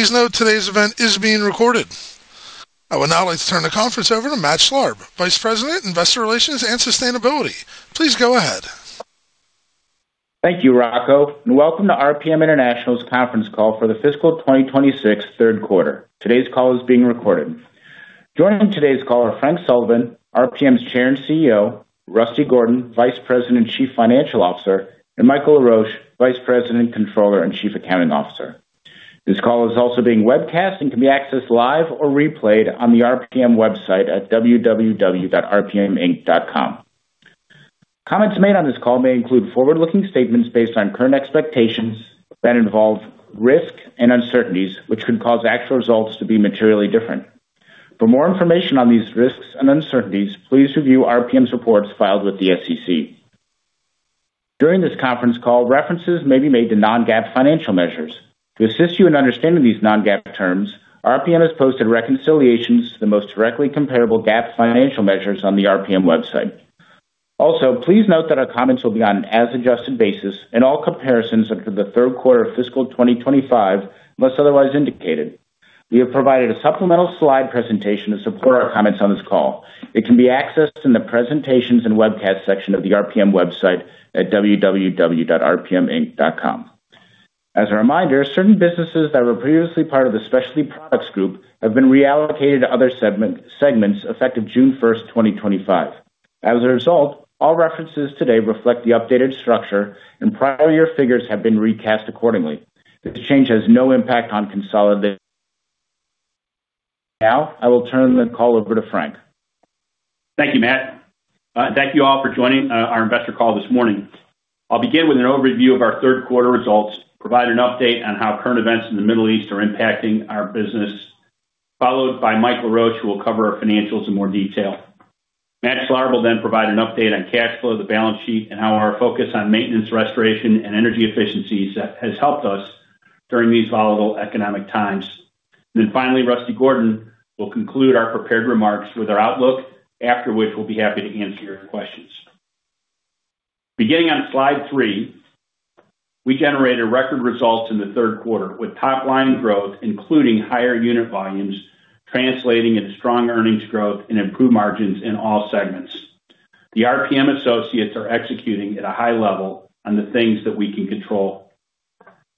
Please note today's event is being recorded. I would now like to turn the conference over to Matt Schlarb, Vice President, Investor Relations and Sustainability. Please go ahead. Thank you, Rocco, and welcome to RPM International's conference call for the fiscal 2026 third quarter. Today's call is being recorded. Joining today's call are Frank Sullivan, RPM's Chair and CEO, Rusty Gordon, Vice President and Chief Financial Officer, and Michael Roche, Vice President, Controller, and Chief Accounting Officer. This call is also being webcast and can be accessed live or replayed on the RPM website at www.rpminc.com. Comments made on this call may include forward-looking statements based on current expectations that involve risk and uncertainties, which could cause actual results to be materially different. For more information on these risks and uncertainties, please review RPM's reports filed with the SEC. During this conference call, references may be made to non-GAAP financial measures. To assist you in understanding these non-GAAP terms, RPM has posted reconciliations to the most directly comparable GAAP financial measures on the RPM website. Please note that our comments will be on an as-adjusted basis, and all comparisons are to the third quarter of fiscal 2025, unless otherwise indicated. We have provided a supplemental slide presentation to support our comments on this call. It can be accessed in the presentations and webcast section of the RPM website at www.rpminc.com. As a reminder, certain businesses that were previously part of the Specialty Products Group have been reallocated to other segments effective June 1st, 2025. As a result, all references today reflect the updated structure and prior year figures have been recast accordingly. This change has no impact on consolidated. Now I will turn the call over to Frank. Thank you, Matt. Thank you all for joining our investor call this morning. I'll begin with an overview of our third quarter results, provide an update on how current events in the Middle East are impacting our business, followed by Michael Roche, who will cover our financials in more detail. Matt Schlarb will then provide an update on cash flow, the balance sheet, and how our focus on maintenance, restoration, and energy efficiencies has helped us during these volatile economic times. Finally, Rusty Gordon will conclude our prepared remarks with our outlook. After which, we'll be happy to answer your questions. Beginning on slide three, we generated record results in the third quarter, with top-line growth, including higher unit volumes translating into strong earnings growth and improved margins in all segments. The RPM associates are executing at a high level on the things that we can control.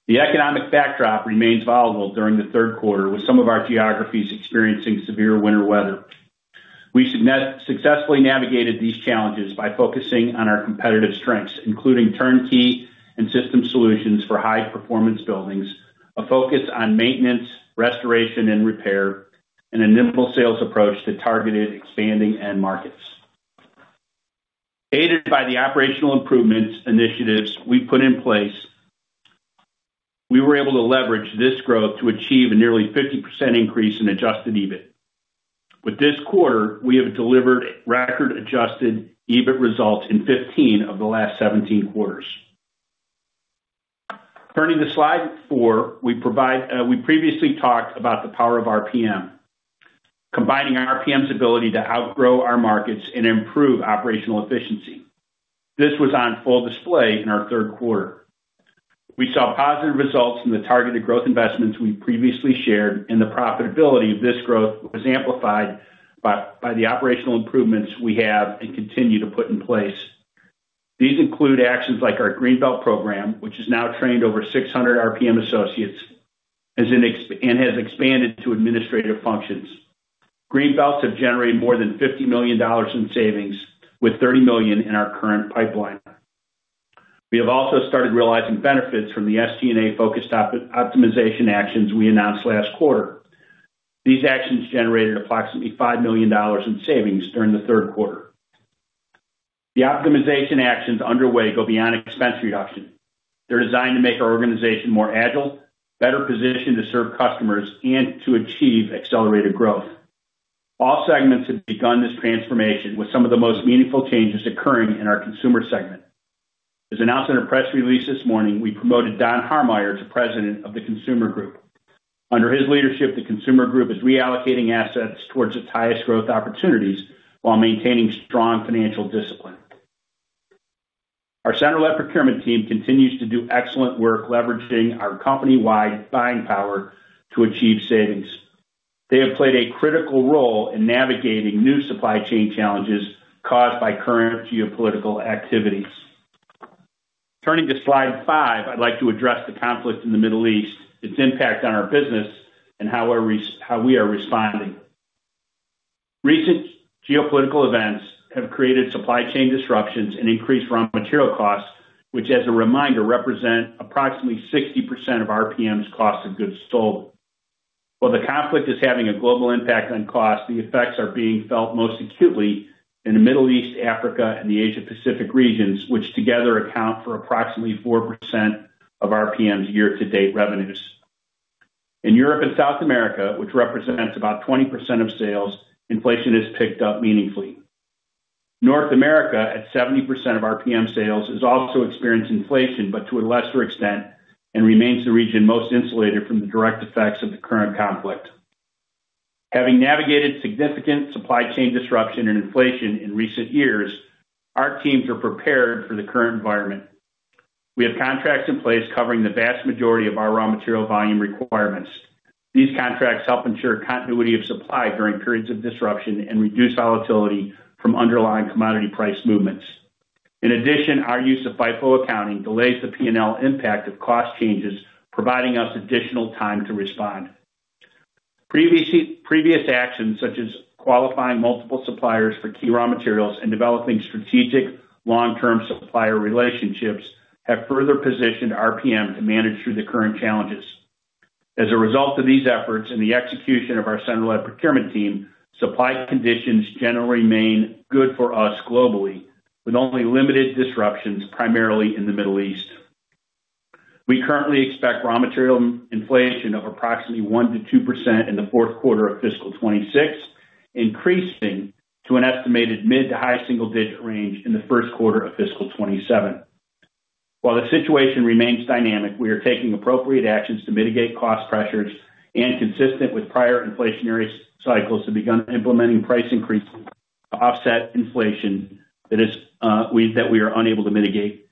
The economic backdrop remains volatile during the third quarter, with some of our geographies experiencing severe winter weather. We successfully navigated these challenges by focusing on our competitive strengths, including turnkey and system solutions for high-performance buildings, a focus on maintenance, restoration, and repair, and a nimble sales approach to targeted expanding end markets. Aided by the operational improvements initiatives we put in place, we were able to leverage this growth to achieve a nearly 50% increase in adjusted EBIT. With this quarter, we have delivered record adjusted EBIT results in 15 of the last 17 quarters. Turning to slide four, we previously talked about the power of RPM, combining RPM's ability to outgrow our markets and improve operational efficiency. This was on full display in our third quarter. We saw positive results from the targeted growth investments we previously shared, and the profitability of this growth was amplified by the operational improvements we have and continue to put in place. These include actions like our Greenbelt program, which has now trained over 600 RPM associates and has expanded to administrative functions. Greenbelts have generated more than $50 million in savings, with $30 million in our current pipeline. We have also started realizing benefits from the SG&A-focused optimization actions we announced last quarter. These actions generated approximately $5 million in savings during the third quarter. The optimization actions underway go beyond expense reduction. They're designed to make our organization more agile, better positioned to serve customers, and to achieve accelerated growth. All segments have begun this transformation with some of the most meaningful changes occurring in our Consumer segment. As announced in our press release this morning, we promoted Don Harmeyer to President of the Consumer Group. Under his leadership, the Consumer Group is reallocating assets towards its highest growth opportunities while maintaining strong financial discipline. Our central led procurement team continues to do excellent work leveraging our company-wide buying power to achieve savings. They have played a critical role in navigating new supply chain challenges caused by current geopolitical activities. Turning to slide five, I'd like to address the conflict in the Middle East, its impact on our business, and how we are responding. Recent geopolitical events have created supply chain disruptions and increased raw material costs, which as a reminder, represent approximately 60% of RPM's cost of goods sold. While the conflict is having a global impact on cost, the effects are being felt most acutely in the Middle East, Africa, and the Asia Pacific regions, which together account for approximately 4% of RPM's year-to-date revenues. In Europe and South America, which represents about 20% of sales, inflation has picked up meaningfully. North America, at 70% of RPM sales, has also experienced inflation, but to a lesser extent and remains the region most insulated from the direct effects of the current conflict. Having navigated significant supply chain disruption and inflation in recent years, our teams are prepared for the current environment. We have contracts in place covering the vast majority of our raw material volume requirements. These contracts help ensure continuity of supply during periods of disruption and reduce volatility from underlying commodity price movements. In addition, our use of FIFO accounting delays the P&L impact of cost changes, providing us additional time to respond. Previous actions such as qualifying multiple suppliers for key raw materials and developing strategic long-term supplier relationships have further positioned RPM to manage through the current challenges. As a result of these efforts and the execution of our centrally led procurement team, supply conditions generally remain good for us globally, with only limited disruptions, primarily in the Middle East. We currently expect raw material inflation of approximately 1%-2% in the fourth quarter of fiscal 2026, increasing to an estimated mid- to high-single-digit range in the first quarter of fiscal 2027. While the situation remains dynamic, we are taking appropriate actions to mitigate cost pressures and, consistent with prior inflationary cycles, have begun implementing price increases to offset inflation that we are unable to mitigate.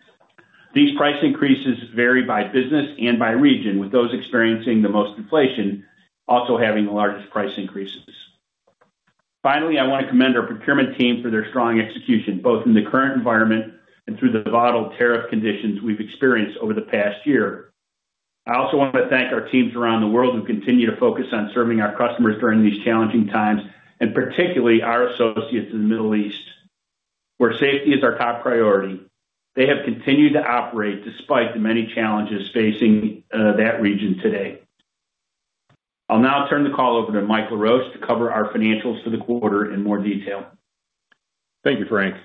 These price increases vary by business and by region, with those experiencing the most inflation also having the largest price increases. Finally, I want to commend our procurement team for their strong execution, both in the current environment and through the volatile tariff conditions we've experienced over the past year. I also want to thank our teams around the world who continue to focus on serving our customers during these challenging times, and particularly our associates in the Middle East, where safety is our top priority. They have continued to operate despite the many challenges facing that region today. I'll now turn the call over to Michael Roche to cover our financials for the quarter in more detail. Thank you, Frank.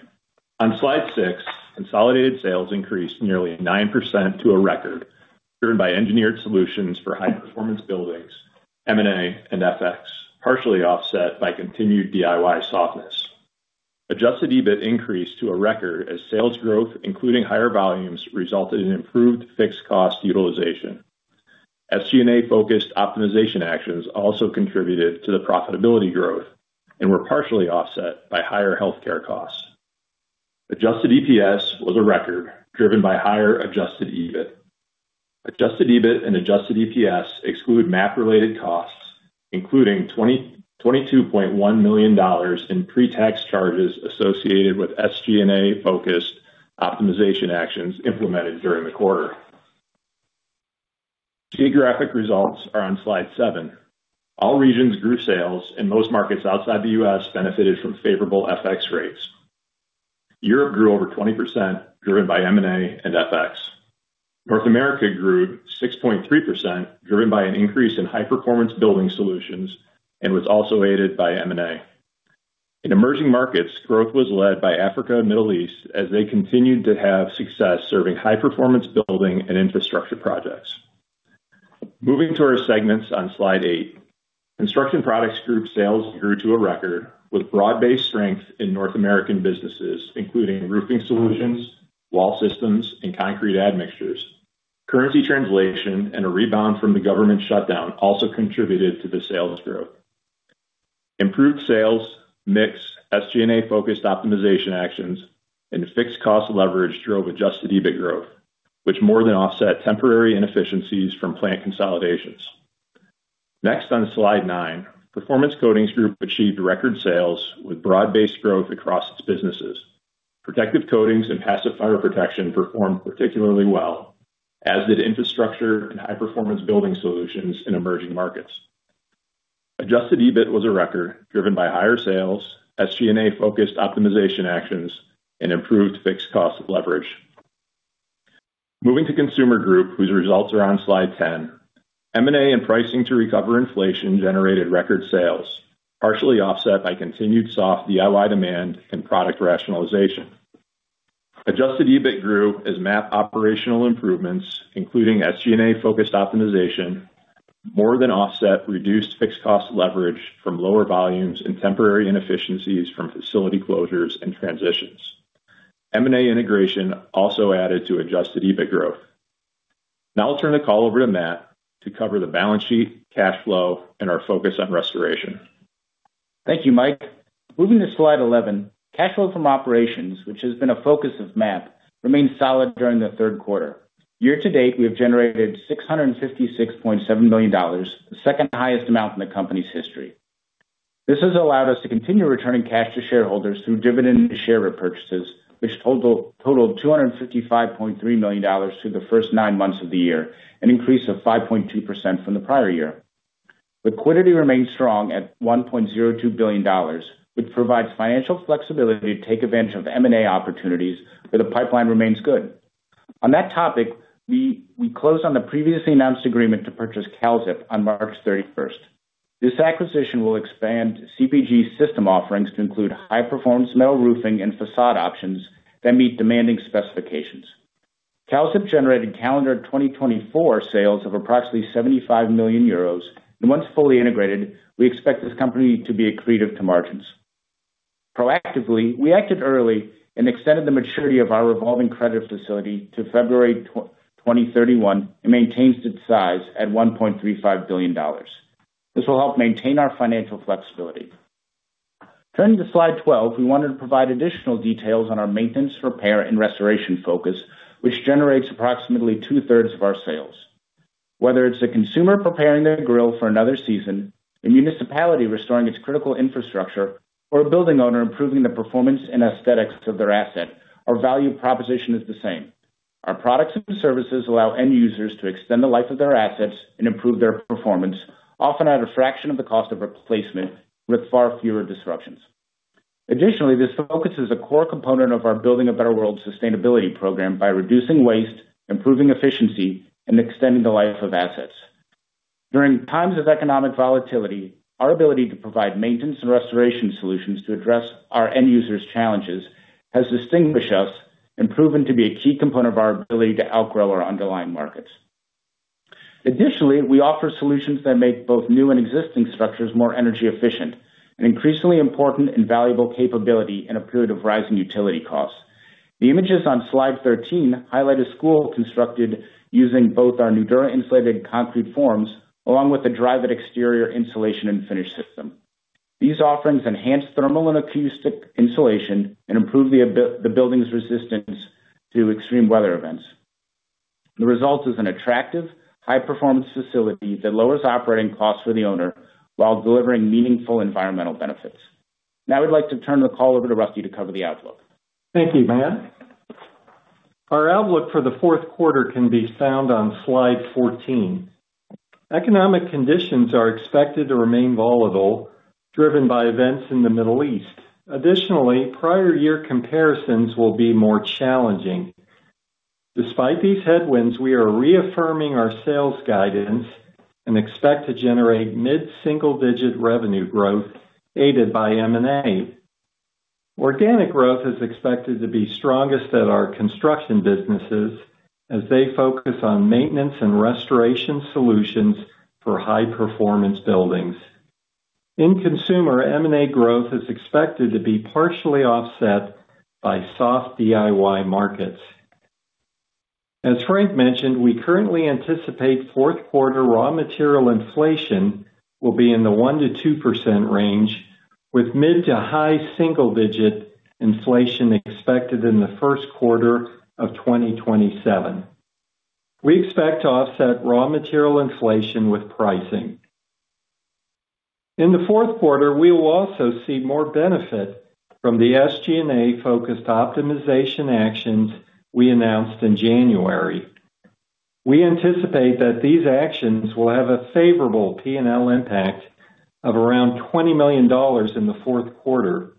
On slide six, consolidated sales increased nearly 9% to a record, driven by engineered solutions for high-performance buildings, M&A, and FX, partially offset by continued DIY softness. Adjusted EBIT increased to a record as sales growth, including higher volumes, resulted in improved fixed cost utilization. SG&A focused optimization actions also contributed to the profitability growth and were partially offset by higher healthcare costs. Adjusted EPS was a record driven by higher adjusted EBIT. Adjusted EBIT and adjusted EPS exclude MAP related costs, including $22.1 million in pre-tax charges associated with SG&A focused optimization actions implemented during the quarter. Geographic results are on slide seven. All regions grew sales and most markets outside the U.S. benefited from favorable FX rates. Europe grew over 20%, driven by M&A and FX. North America grew 6.3%, driven by an increase in high-performance building solutions and was also aided by M&A. In emerging markets, growth was led by Africa and Middle East as they continued to have success serving high-performance building and infrastructure projects. Moving to our segments on slide eight. Construction Products Group sales grew to a record with broad-based strength in North American businesses, including roofing solutions, wall systems, and concrete admixtures. Currency translation and a rebound from the government shutdown also contributed to the sales growth. Improved sales mix, SG&A focused optimization actions, and fixed cost leverage drove adjusted EBIT growth, which more than offset temporary inefficiencies from plant consolidations. Next on slide nine. Performance Coatings Group achieved record sales with broad-based growth across its businesses. Protective coatings and passive fire protection performed particularly well, as did infrastructure and high-performance building solutions in emerging markets. Adjusted EBIT was a record driven by higher sales, SG&A focused optimization actions and improved fixed cost leverage. Moving to Consumer Group, whose results are on slide 10. M&A and pricing to recover inflation generated record sales, partially offset by continued soft DIY demand and product rationalization. Adjusted EBIT grew as MAP operational improvements, including SG&A focused optimization, more than offset reduced fixed cost leverage from lower volumes and temporary inefficiencies from facility closures and transitions. M&A integration also added to adjusted EBIT growth. Now I'll turn the call over to Matt to cover the balance sheet, cash flow, and our focus on restoration. Thank you, Mike. Moving to slide 11. Cash flow from operations, which has been a focus of MAP, remained solid during the third quarter. Year to date, we have generated $656.7 million, the second highest amount in the company's history. This has allowed us to continue returning cash to shareholders through dividend share repurchases, which totaled $255.3 million through the first nine months of the year, an increase of 5.2% from the prior year. Liquidity remains strong at $1.02 billion, which provides financial flexibility to take advantage of M&A opportunities where the pipeline remains good. On that topic, we closed on the previously announced agreement to purchase Kalzip on March 31st. This acquisition will expand CPG's system offerings to include high-performance metal roofing and facade options that meet demanding specifications. Kalzip generated calendar 2024 sales of approximately 75 million euros, and once fully integrated, we expect this company to be accretive to margins. Proactively, we acted early and extended the maturity of our revolving credit facility to February 2031, and maintains its size at $1.35 billion. This will help maintain our financial flexibility. Turning to slide 12, we wanted to provide additional details on our maintenance, repair, and restoration focus, which generates approximately 2/3 of our sales. Whether it's a consumer preparing their grill for another season, a municipality restoring its critical infrastructure, or a building owner improving the performance and aesthetics of their asset, our value proposition is the same. Our products and services allow end users to extend the life of their assets and improve their performance, often at a fraction of the cost of replacement, with far fewer disruptions. Additionally, this focus is a core component of our Building a Better World sustainability program by reducing waste, improving efficiency, and extending the life of assets. During times of economic volatility, our ability to provide maintenance and restoration solutions to address our end users' challenges has distinguished us and proven to be a key component of our ability to outgrow our underlying markets. Additionally, we offer solutions that make both new and existing structures more energy efficient, an increasingly important and valuable capability in a period of rising utility costs. The images on slide 13 highlight a school constructed using both our Nudura insulated concrete forms, along with the Dryvit exterior insulation and finish system. These offerings enhance thermal and acoustic insulation and improve the building's resistance to extreme weather events. The result is an attractive, high-performance facility that lowers operating costs for the owner while delivering meaningful environmental benefits. Now I'd like to turn the call over to Rusty to cover the outlook. Thank you, Matt. Our outlook for the fourth quarter can be found on slide 14. Economic conditions are expected to remain volatile, driven by events in the Middle East. Additionally, prior year comparisons will be more challenging. Despite these headwinds, we are reaffirming our sales guidance and expect to generate mid-single-digit revenue growth, aided by M&A. Organic growth is expected to be strongest at our construction businesses as they focus on maintenance and restoration solutions for high-performance buildings. In Consumer, M&A growth is expected to be partially offset by soft DIY markets. As Frank mentioned, we currently anticipate fourth quarter raw material inflation will be in the 1%-2% range, with mid- to high-single-digit inflation expected in the first quarter of 2027. We expect to offset raw material inflation with pricing. In the fourth quarter, we will also see more benefit from the SG&A-focused optimization actions we announced in January. We anticipate that these actions will have a favorable P&L impact of around $20 million in the fourth quarter,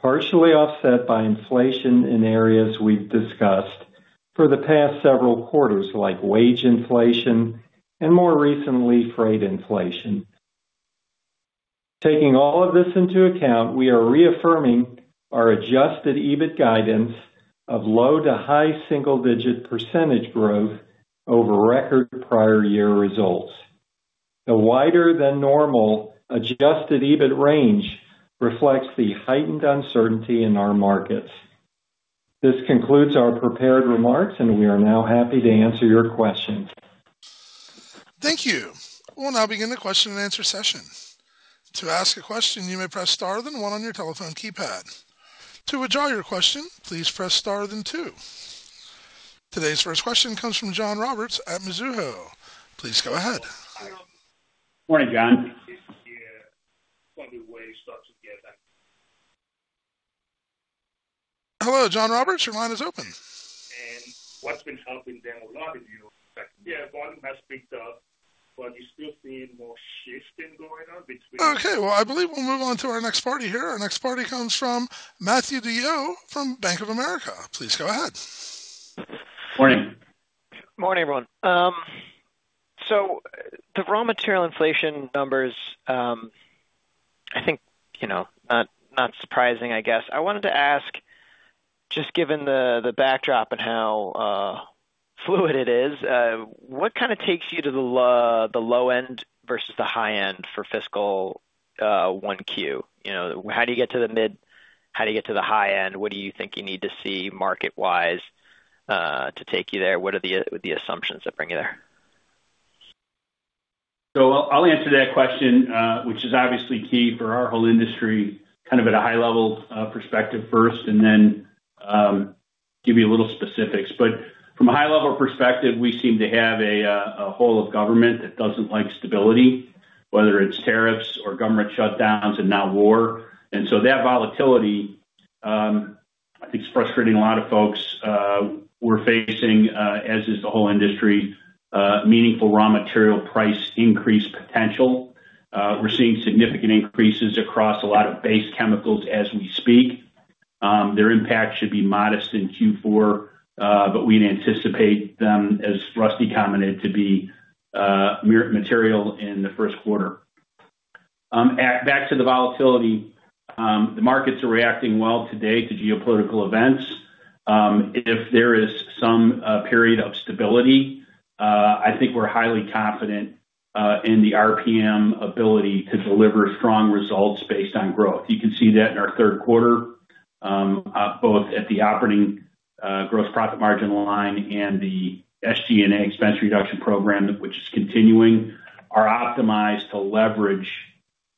partially offset by inflation in areas we've discussed for the past several quarters, like wage inflation and more recently, freight inflation. Taking all of this into account, we are reaffirming our adjusted EBIT guidance of low- to high-single-digit percentage growth over record prior year results. The wider than normal adjusted EBIT range reflects the heightened uncertainty in our markets. This concludes our prepared remarks and we are now happy to answer your questions. Thank you. We'll now begin the question and answer session. To ask a question, you may press star then one on your telephone keypad. To withdraw your question, please press star then two. Today's first question comes from John Roberts at Mizuho. Please go ahead. Morning, John. Hello, John Roberts, your line is open. What's been helping them a lot is- Yeah, volume has picked up, but you're still seeing more shifting going on between- Okay, well, I believe we'll move on to our next party here. Our next party comes from Matthew DeYoe from Bank of America. Please go ahead. Morning. Morning, everyone. The raw material inflation numbers, I think, not surprising, I guess. I wanted to ask, just given the backdrop and how fluid it is, what takes you to the low end versus the high end for fiscal 1Q? How do you get to the mid? How do you get to the high end? What do you think you need to see market-wise to take you there? What are the assumptions that bring you there? I'll answer that question, which is obviously key for our whole industry, at a high level perspective first, and then give you a little specifics. From a high level perspective, we seem to have a whole of government that doesn't like stability, whether it's tariffs or government shutdowns and now war. That volatility, I think it's frustrating a lot of folks. We're facing, as is the whole industry, meaningful raw material price increase potential. We're seeing significant increases across a lot of base chemicals as we speak. Their impact should be modest in Q4, but we'd anticipate them, as Rusty commented, to be material in the first quarter. Back to the volatility, the markets are reacting well today to geopolitical events. If there is some period of stability, I think we're highly confident in the RPM ability to deliver strong results based on growth. You can see that in our third quarter, both at the operating gross profit margin line and the SG&A expense reduction program, which is continuing, are optimized to leverage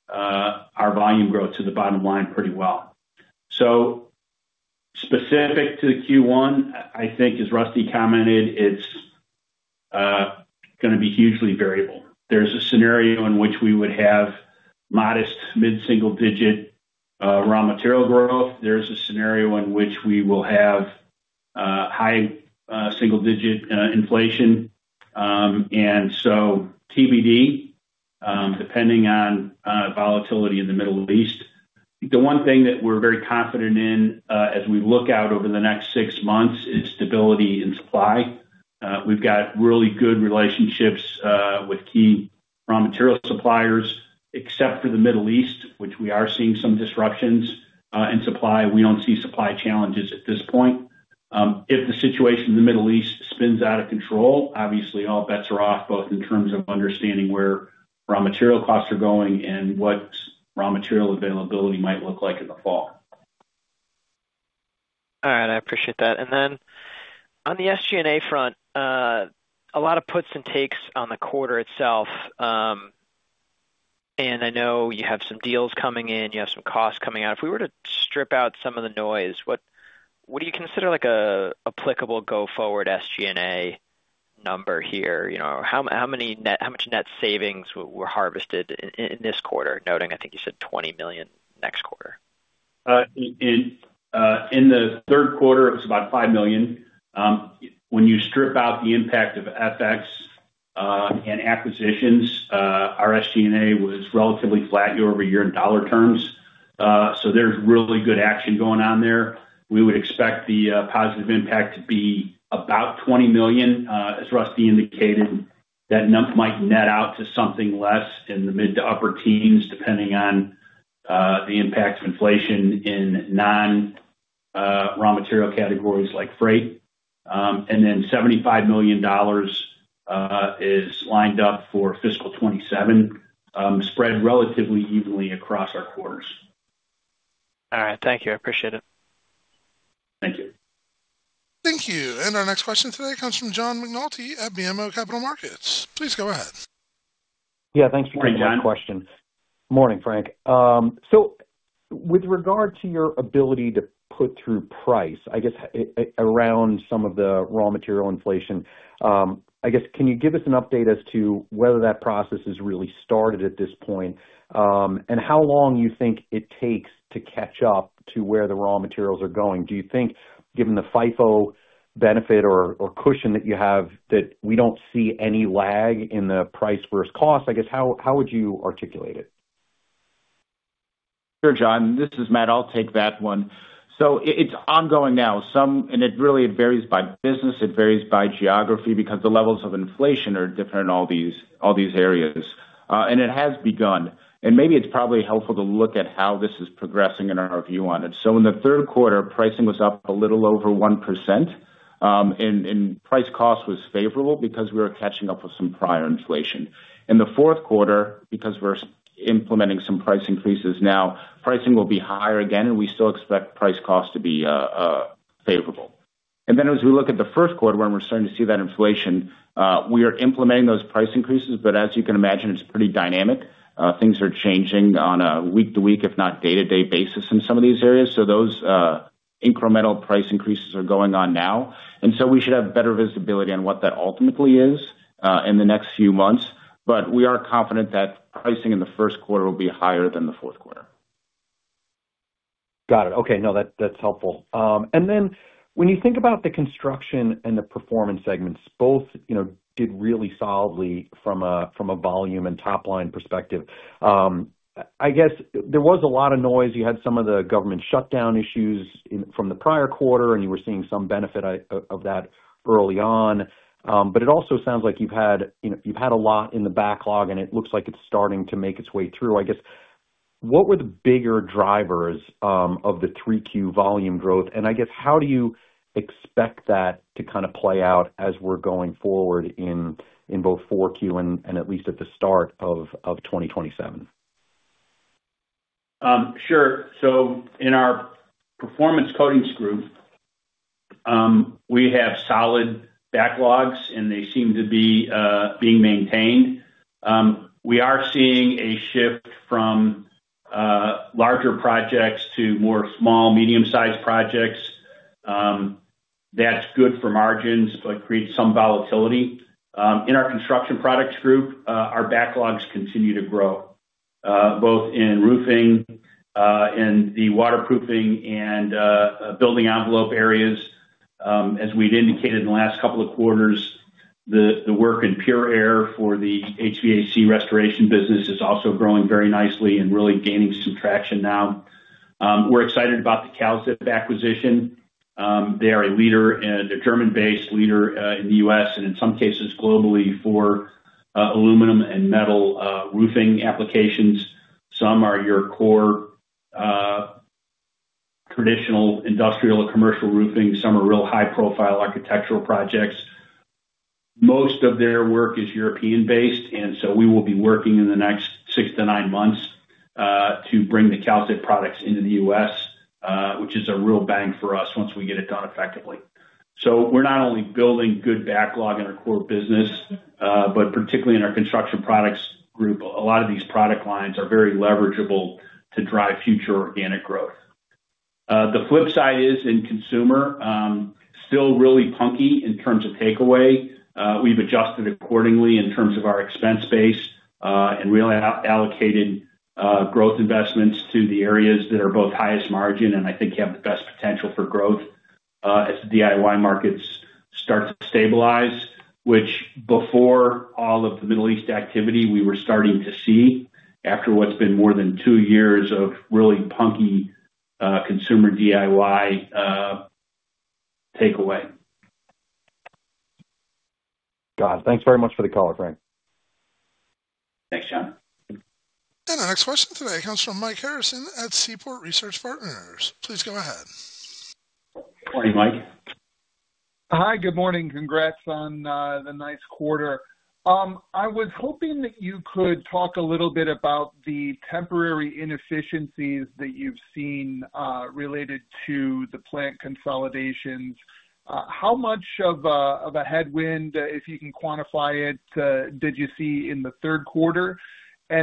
our volume growth to the bottom line pretty well. Specific to Q1, I think as Rusty commented, it's going to be hugely variable. There's a scenario in which we would have modest mid-single-digit raw material growth. There's a scenario in which we will have high single-digit inflation. TBD, depending on volatility in the Middle East. The one thing that we're very confident in as we look out over the next six months is stability in supply. We've got really good relationships with key raw material suppliers, except for the Middle East, which we are seeing some disruptions in supply. We don't see supply challenges at this point. If the situation in the Middle East spins out of control, obviously all bets are off, both in terms of understanding where raw material costs are going and what raw material availability might look like in the fall. All right. I appreciate that. On the SG&A front, a lot of puts and takes on the quarter itself. I know you have some deals coming in, you have some costs coming out. If we were to strip out some of the noise, what do you consider like applicable go forward SG&A number here? How much net savings were harvested in this quarter, noting, I think you said $20 million next quarter? In the third quarter, it was about $5 million. When you strip out the impact of FX and acquisitions, our SG&A was relatively flat year-over-year in dollar terms. There's really good action going on there. We would expect the positive impact to be about $20 million. As Rusty indicated, that number might net out to something less in the mid to upper teens, depending on the impact of inflation in non-raw material categories like freight. $75 million is lined up for fiscal 2027, spread relatively evenly across our quarters. All right. Thank you. I appreciate it. Thank you. Thank you. Our next question today comes from John McNulty at BMO Capital Markets. Please go ahead. Yeah. Thanks for taking my question. Good morning, John. Morning, Frank. With regard to your ability to put through price, I guess around some of the raw material inflation, can you give us an update as to whether that process has really started at this point, and how long you think it takes to catch up to where the raw materials are going? Do you think given the FIFO benefit or cushion that you have that we don't see any lag in the price versus cost? I guess, how would you articulate it? Sure, John, this is Matt. I'll take that one. It's ongoing now. It really varies by business, it varies by geography because the levels of inflation are different in all these areas. It has begun. Maybe it's probably helpful to look at how this is progressing and our view on it. In the third quarter, pricing was up a little over 1%, and price cost was favorable because we were catching up with some prior inflation. In the fourth quarter, because we're implementing some price increases now, pricing will be higher again, and we still expect price cost to be favorable. Then as we look at the first quarter, when we're starting to see that inflation, we are implementing those price increases. As you can imagine, it's pretty dynamic. Things are changing on a week to week, if not day to day basis in some of these areas. Those incremental price increases are going on now. We should have better visibility on what that ultimately is in the next few months. We are confident that pricing in the first quarter will be higher than the fourth quarter. Got it. Okay. No, that's helpful. Then when you think about the Construction and the Performance segments, both did really solidly from a volume and top line perspective. I guess there was a lot of noise. You had some of the government shutdown issues from the prior quarter, and you were seeing some benefit of that early on. It also sounds like you've had a lot in the backlog, and it looks like it's starting to make its way through. I guess, what were the bigger drivers of the 3Q volume growth, and I guess how do you expect that to kind of play out as we're going forward in both 4Q and at least at the start of 2027? Sure. In our Performance Coatings Group, we have solid backlogs, and they seem to be being maintained. We are seeing a shift from larger projects to more small, medium-sized projects. That's good for margins, but creates some volatility. In our Construction Products Group, our backlogs continue to grow, both in roofing, in the waterproofing and building envelope areas. As we'd indicated in the last couple of quarters, the work in Pure Air for the HVAC restoration business is also growing very nicely and really gaining some traction now. We're excited about the Kalzip acquisition. They are a German-based leader in the U.S., and in some cases globally, for aluminum and metal roofing applications. Some are your core traditional industrial commercial roofing. Some are real high-profile architectural projects. Most of their work is European based, and so we will be working in the next six to nine months to bring the Kalzip products into the U.S., which is a real bang for us once we get it done effectively. We're not only building good backlog in our core business, but particularly in our Construction Products Group. A lot of these product lines are very leverageable to drive future organic growth. The flip side is in Consumer, still really punky in terms of takeaway. We've adjusted accordingly in terms of our expense base, and we allocated growth investments to the areas that are both highest margin and I think have the best potential for growth as the DIY markets start to stabilize, which before all of the Middle East activity we were starting to see after what's been more than two years of really punky consumer DIY takeaway. Got it. Thanks very much for the color, Frank. Thanks, John. Our next question today comes from Mike Harrison at Seaport Research Partners. Please go ahead. Morning, Mike. Hi. Good morning. Congrats on the nice quarter. I was hoping that you could talk a little bit about the temporary inefficiencies that you've seen related to the plant consolidations. How much of a headwind, if you can quantify it, did you see in the third quarter? I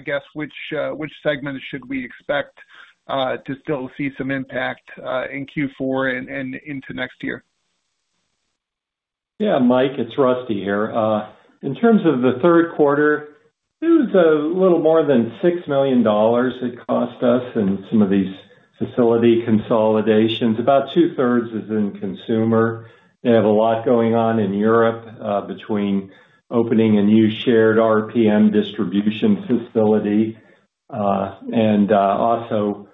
guess which segment should we expect to still see some impact, in Q4 and into next year? Yeah. Mike, it's Rusty here. In terms of the third quarter, it was a little more than $6 million it cost us in some of these facility consolidations. About 2/3 is in Consumer. They have a lot going on in Europe, between opening a new shared RPM distribution facility, and also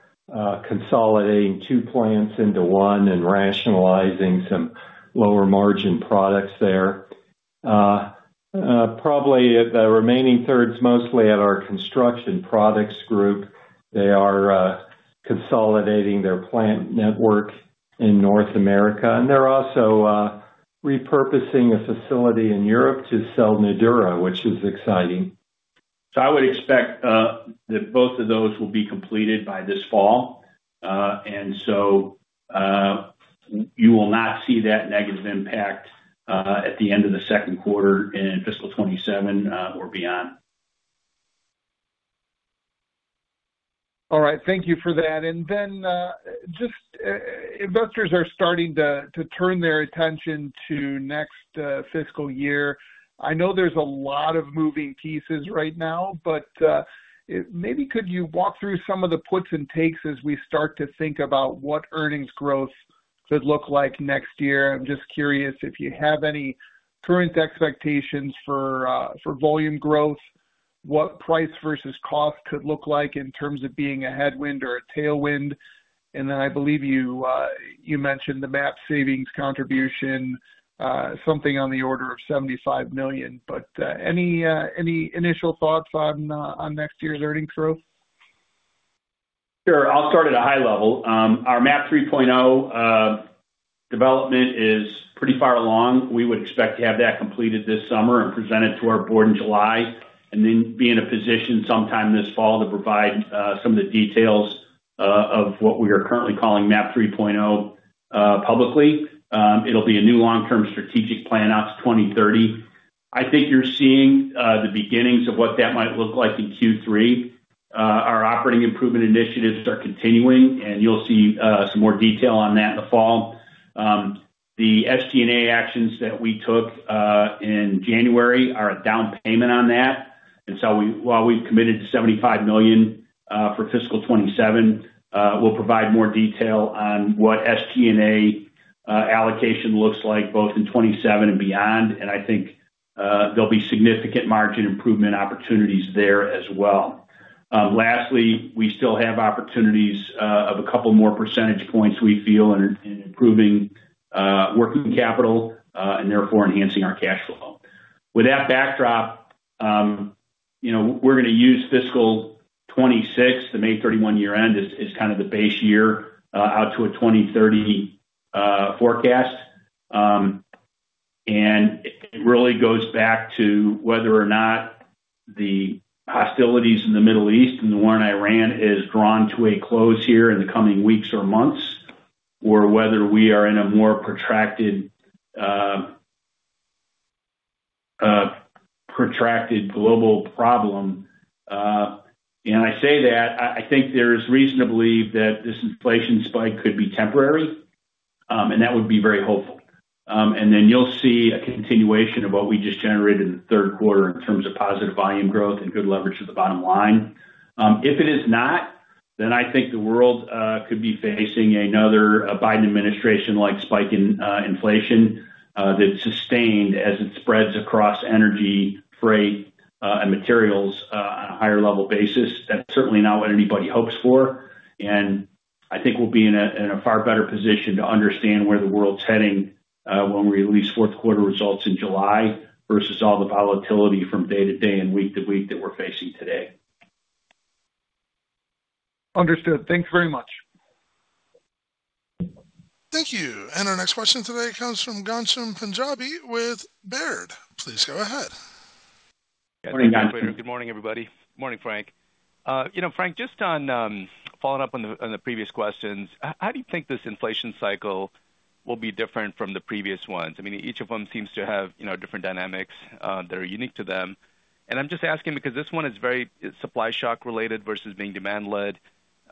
consolidating two plants into one and rationalizing some lower margin products there. Probably the remaining third's mostly at our Construction Products Group. They are consolidating their plant network in North America, and they're also repurposing a facility in Europe to sell Nudura, which is exciting. I would expect that both of those will be completed by this fall. You will not see that negative impact at the end of the second quarter in fiscal 2027 or beyond. All right. Thank you for that. Just investors are starting to turn their attention to next fiscal year. I know there's a lot of moving pieces right now, but maybe could you walk through some of the puts and takes as we start to think about what earnings growth could look like next year? I'm just curious if you have any current expectations for volume growth, what price versus cost could look like in terms of being a headwind or a tailwind. I believe you mentioned the MAP savings contribution, something on the order of $75 million. Any initial thoughts on next year's earnings growth? Sure. I'll start at a high level. Our MAP 3.0 development is pretty far along. We would expect to have that completed this summer and present it to our board in July, and then be in a position sometime this fall to provide some of the details of what we are currently calling MAP 3.0 publicly. It'll be a new long-term strategic plan out to 2030. I think you're seeing the beginnings of what that might look like in Q3. Our operating improvement initiatives are continuing, and you'll see some more detail on that in the fall. The ST&A actions that we took in January are a down payment on that. While we've committed to $75 million for fiscal 2027, we'll provide more detail on what ST&A allocation looks like both in 2027 and beyond. I think there'll be significant margin improvement opportunities there as well. Lastly, we still have opportunities of a couple more percentage points we feel in improving working capital, and therefore enhancing our cash flow. With that backdrop, we're going to use fiscal 2026, the May 31 year-end as kind of the base year out to a 2030 forecast. It really goes back to whether or not the hostilities in the Middle East and the war in Iran is drawn to a close here in the coming weeks or months, or whether we are in a more protracted global problem. I say that, I think there is reason to believe that this inflation spike could be temporary, and that would be very hopeful. Then you'll see a continuation of what we just generated in the third quarter in terms of positive volume growth and good leverage to the bottom line. If it is not, then I think the world could be facing another Biden administration-like spike in inflation that's sustained as it spreads across energy, freight, and materials on a higher level basis. That's certainly not what anybody hopes for, and I think we'll be in a far better position to understand where the world's heading when we release fourth quarter results in July, versus all the volatility from day to day and week to week that we're facing today. Understood. Thanks very much. Thank you. Our next question today comes from Ghansham Panjabi with Baird. Please go ahead. Morning, Ghansham. Good morning, everybody. Good morning, Frank. Frank, just on following up on the previous questions, how do you think this inflation cycle will be different from the previous ones? Each of them seems to have different dynamics that are unique to them. I'm just asking because this one is very supply shock related versus being demand led.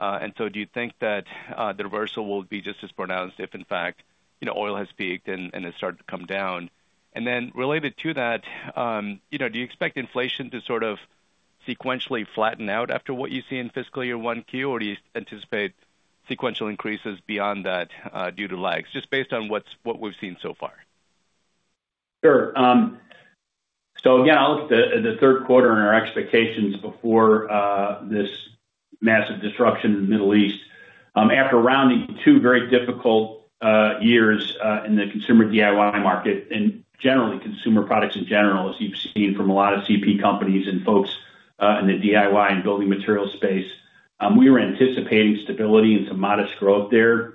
Do you think that the reversal will be just as pronounced if in fact oil has peaked and has started to come down? Related to that, do you expect inflation to sort of sequentially flatten out after what you see in fiscal year 1Q, or do you anticipate sequential increases beyond that due to lags, just based on what we've seen so far? Sure. Again, I'll look at the third quarter and our expectations before this massive disruption in the Middle East. After rounding two very difficult years in the consumer DIY market and generally consumer products in general, as you've seen from a lot of CP companies and folks in the DIY and building material space, we were anticipating stability and some modest growth there.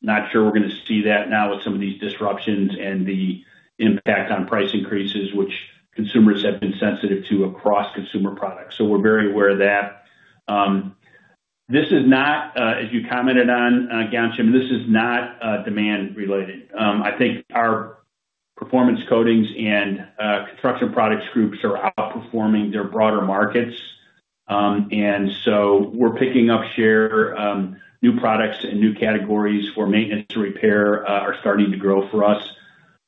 Not sure we're going to see that now with some of these disruptions and the impact on price increases, which consumers have been sensitive to across consumer products. We're very aware of that. As you commented on, Ghansham, this is not demand related. I think our Performance Coatings Group and Construction Products Group are outperforming their broader markets. We're picking up share. New products and new categories for maintenance and repair are starting to grow for us.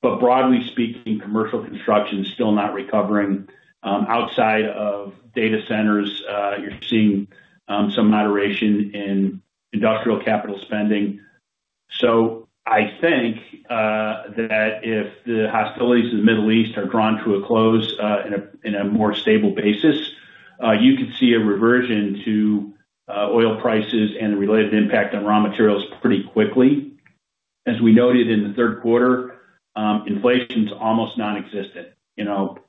Broadly speaking, commercial construction's still not recovering. Outside of data centers, you're seeing some moderation in industrial capital spending. I think that if the hostilities in the Middle East are drawn to a close in a more stable basis, you could see a reversion to oil prices and the related impact on raw materials pretty quickly. As we noted in the third quarter, inflation's almost nonexistent.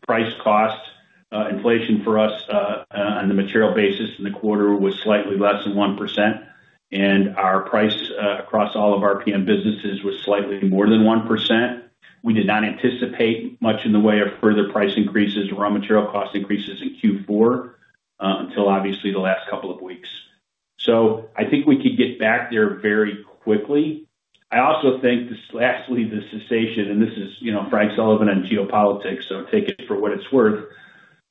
Price cost inflation for us on the material basis in the quarter was slightly less than 1%, and our price across all of our RPM businesses was slightly more than 1%. We did not anticipate much in the way of further price increases or raw material cost increases in Q4, until obviously the last couple of weeks. I think we could get back there very quickly. I also think, lastly, the cessation, and this is Frank Sullivan on geopolitics, so take it for what it's worth,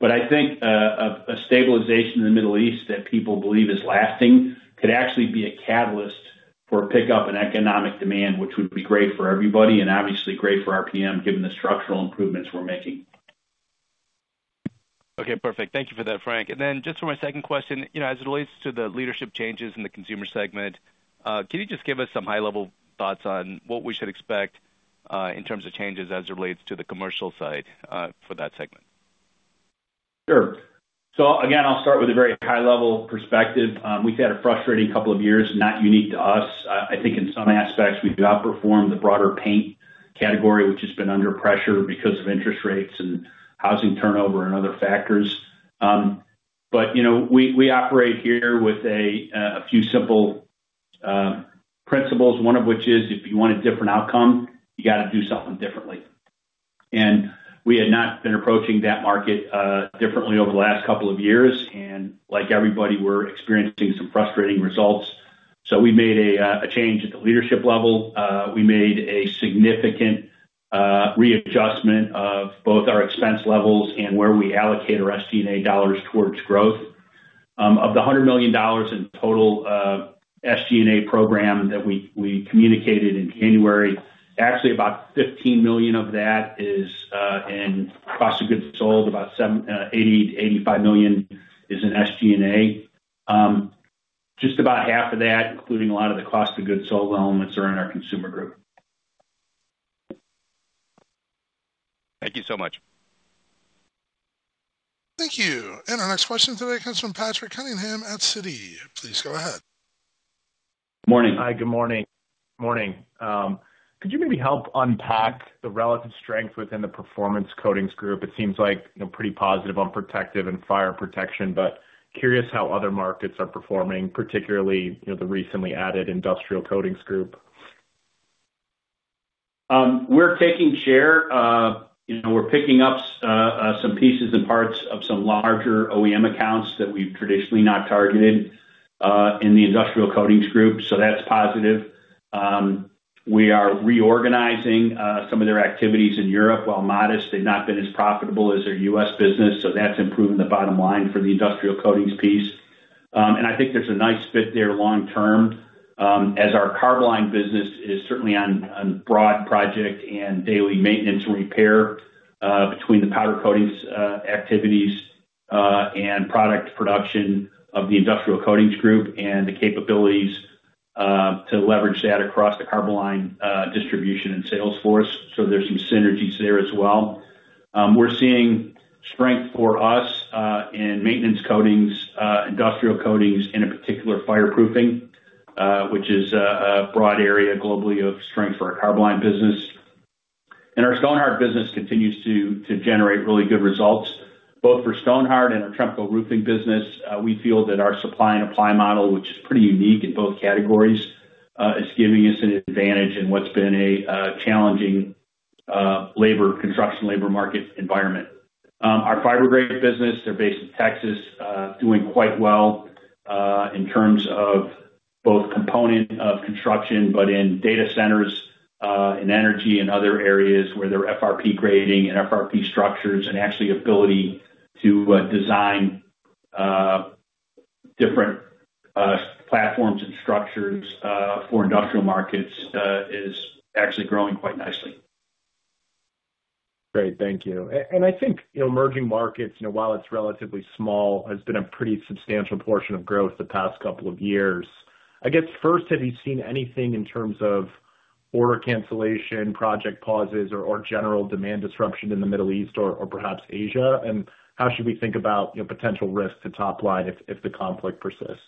but I think a stabilization in the Middle East that people believe is lasting could actually be a catalyst for a pickup in economic demand, which would be great for everybody and obviously great for RPM, given the structural improvements we're making. Okay, perfect. Thank you for that, Frank. Just for my second question, as it relates to the leadership changes in the Consumer segment, can you just give us some high level thoughts on what we should expect, in terms of changes as it relates to the commercial side for that segment? Sure. Again, I'll start with a very high level perspective. We've had a frustrating couple of years, not unique to us. I think in some aspects, we've outperformed the broader paint category, which has been under pressure because of interest rates and housing turnover and other factors. We operate here with a few simple principles, one of which is if you want a different outcome, you got to do something differently. We had not been approaching that market differently over the last couple of years, and like everybody, we're experiencing some frustrating results. We made a change at the leadership level. We made a significant readjustment of both our expense levels and where we allocate our SG&A dollars towards growth. Of the $100 million in total SG&A program that we communicated in January, actually about $15 million of that is in cost of goods sold. About $80 million-$85 million is in SG&A. Just about half of that, including a lot of the cost of goods sold elements, are in our Consumer Group. Thank you so much. Thank you. Our next question today comes from Patrick Cunningham at Citi. Please go ahead. Morning. Hi. Good morning. Could you maybe help unpack the relative strength within the Performance Coatings Group? It seems pretty positive on protective and fire protection, but curious how other markets are performing, particularly the recently added Industrial Coatings Group. We're taking share. We're picking up some pieces and parts of some larger OEM accounts that we've traditionally not targeted in the Industrial Coatings Group, so that's positive. We are reorganizing some of their activities in Europe. While modest, they've not been as profitable as their U.S. business, so that's improving the bottom line for the industrial coatings piece. I think there's a nice fit there long term, as our Carboline business is certainly on broad project and daily maintenance and repair between the powder coatings activities and product production of the Industrial Coatings Group and the capabilities to leverage that across the Carboline distribution and sales force. There's some synergies there as well. We're seeing strength for us in maintenance coatings, industrial coatings, and in particular, fireproofing, which is a broad area globally of strength for our Carboline business. Our Stonhard business continues to generate really good results, both for Stonhard and our Tremco Roofing business. We feel that our supply and apply model, which is pretty unique in both categories, is giving us an advantage in what's been a challenging construction labor market environment. Our Fibergrate business, they're based in Texas, doing quite well in terms of both components of construction, but in data centers, in energy and other areas where their FRP grating and FRP structures and actually ability to design different platforms and structures for industrial markets is actually growing quite nicely. Great. Thank you. I think emerging markets, while it's relatively small, has been a pretty substantial portion of growth the past couple of years. I guess first, have you seen anything in terms of order cancellation, project pauses, or general demand disruption in the Middle East or perhaps Asia? How should we think about potential risk to top line if the conflict persists?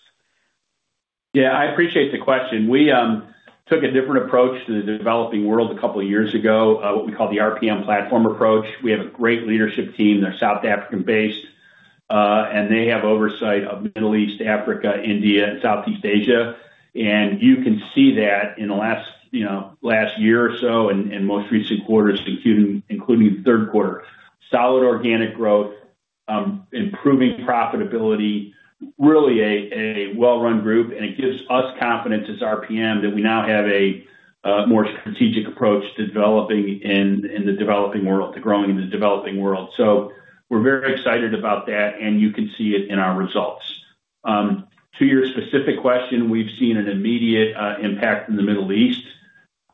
Yeah, I appreciate the question. We took a different approach to the developing world a couple of years ago, what we call the RPM platform approach. We have a great leadership team. They're South African-based, and they have oversight of Middle East, Africa, India, and Southeast Asia. You can see that in the last year or so in most recent quarters, including third quarter. Solid organic growth, improving profitability, really a well-run group, and it gives us confidence as RPM that we now have a more strategic approach to growing in the developing world. We're very excited about that, and you can see it in our results. To your specific question, we've seen an immediate impact in the Middle East.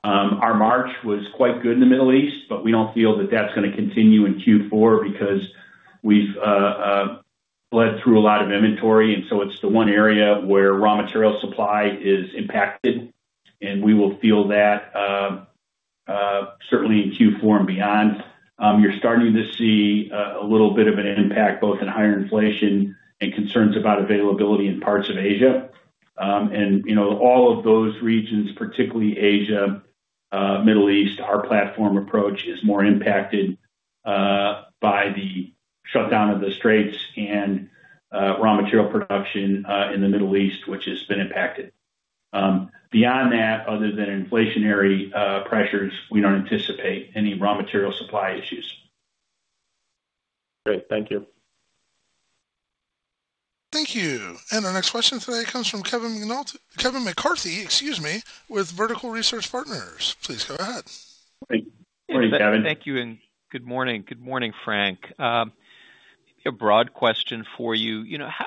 Our March was quite good in the Middle East, but we don't feel that that's going to continue in Q4 because we've bled through a lot of inventory, and so it's the one area where raw material supply is impacted, and we will feel that certainly in Q4 and beyond. You're starting to see a little bit of an impact both in higher inflation and concerns about availability in parts of Asia. All of those regions, particularly Asia, Middle East, our platform approach is more impacted by the shutdown of the straits and raw material production in the Middle East, which has been impacted. Beyond that, other than inflationary pressures, we don't anticipate any raw material supply issues. Great. Thank you. Thank you. Our next question today comes from Kevin McCarthy, excuse me, with Vertical Research Partners. Please go ahead. Hey. Morning, Kevin. Thank you, and good morning. Good morning, Frank. Maybe a broad question for you.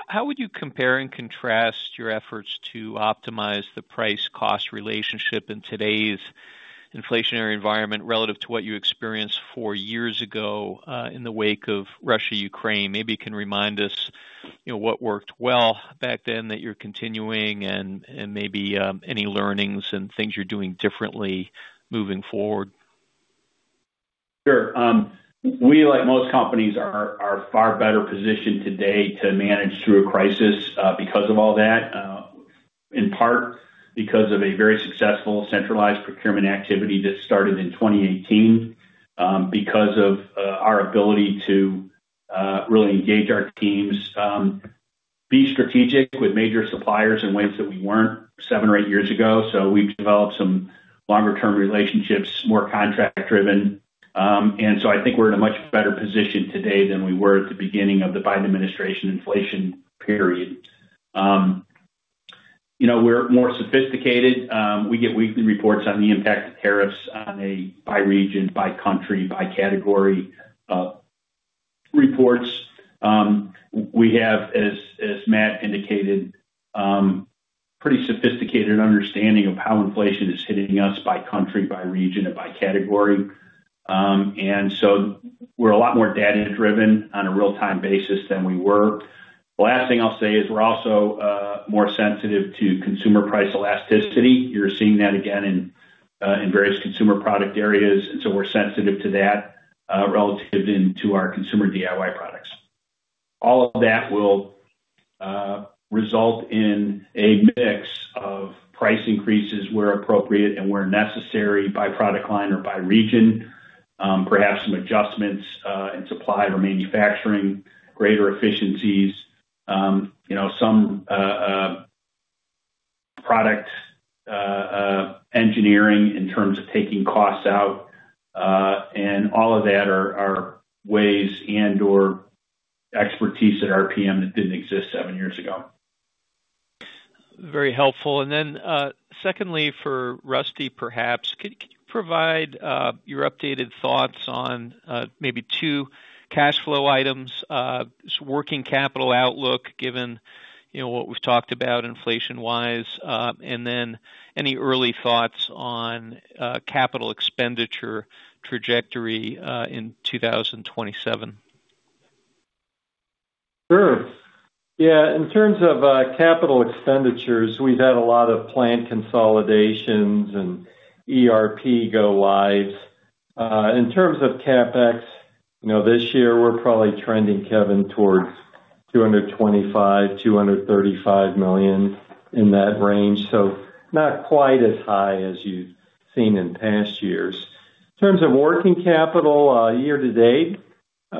How would you compare and contrast your efforts to optimize the price-cost relationship in today's inflationary environment relative to what you experienced four years ago, in the wake of Russia, Ukraine? Maybe you can remind us what worked well back then that you're continuing and maybe any learnings and things you're doing differently moving forward. Sure. We, like most companies, are far better positioned today to manage through a crisis because of all that. In part, because of a very successful centralized procurement activity that started in 2018, because of our ability to really engage our teams, be strategic with major suppliers in ways that we weren't seven or eight years ago. We've developed some longer term relationships, more contract driven. I think we're in a much better position today than we were at the beginning of the Biden administration inflation period. We're more sophisticated. We get weekly reports on the impact of tariffs on a by region, by country, by category reports. We have, as Matt indicated, pretty sophisticated understanding of how inflation is hitting us by country, by region, and by category. We're a lot more data-driven on a real-time basis than we were. The last thing I'll say is we're also more sensitive to consumer price elasticity. You're seeing that again in various consumer product areas, and so we're sensitive to that relative to our consumer DIY products. All of that will result in a mix of price increases where appropriate and where necessary by product line or by region. Perhaps some adjustments in supply or manufacturing, greater efficiencies, some product engineering in terms of taking costs out, and all of that are ways and/or expertise at RPM that didn't exist seven years ago. Very helpful. Secondly, for Rusty, perhaps, could you provide your updated thoughts on maybe two cash flow items, working capital outlook, given what we've talked about inflation-wise, and then any early thoughts on capital expenditure trajectory in 2027? Sure. Yeah. In terms of capital expenditures, we've had a lot of plant consolidations and ERP go lives. In terms of CapEx, this year we're probably trending, Kevin, towards $225 million-$235 million, in that range. Not quite as high as you've seen in past years. In terms of working capital year to date,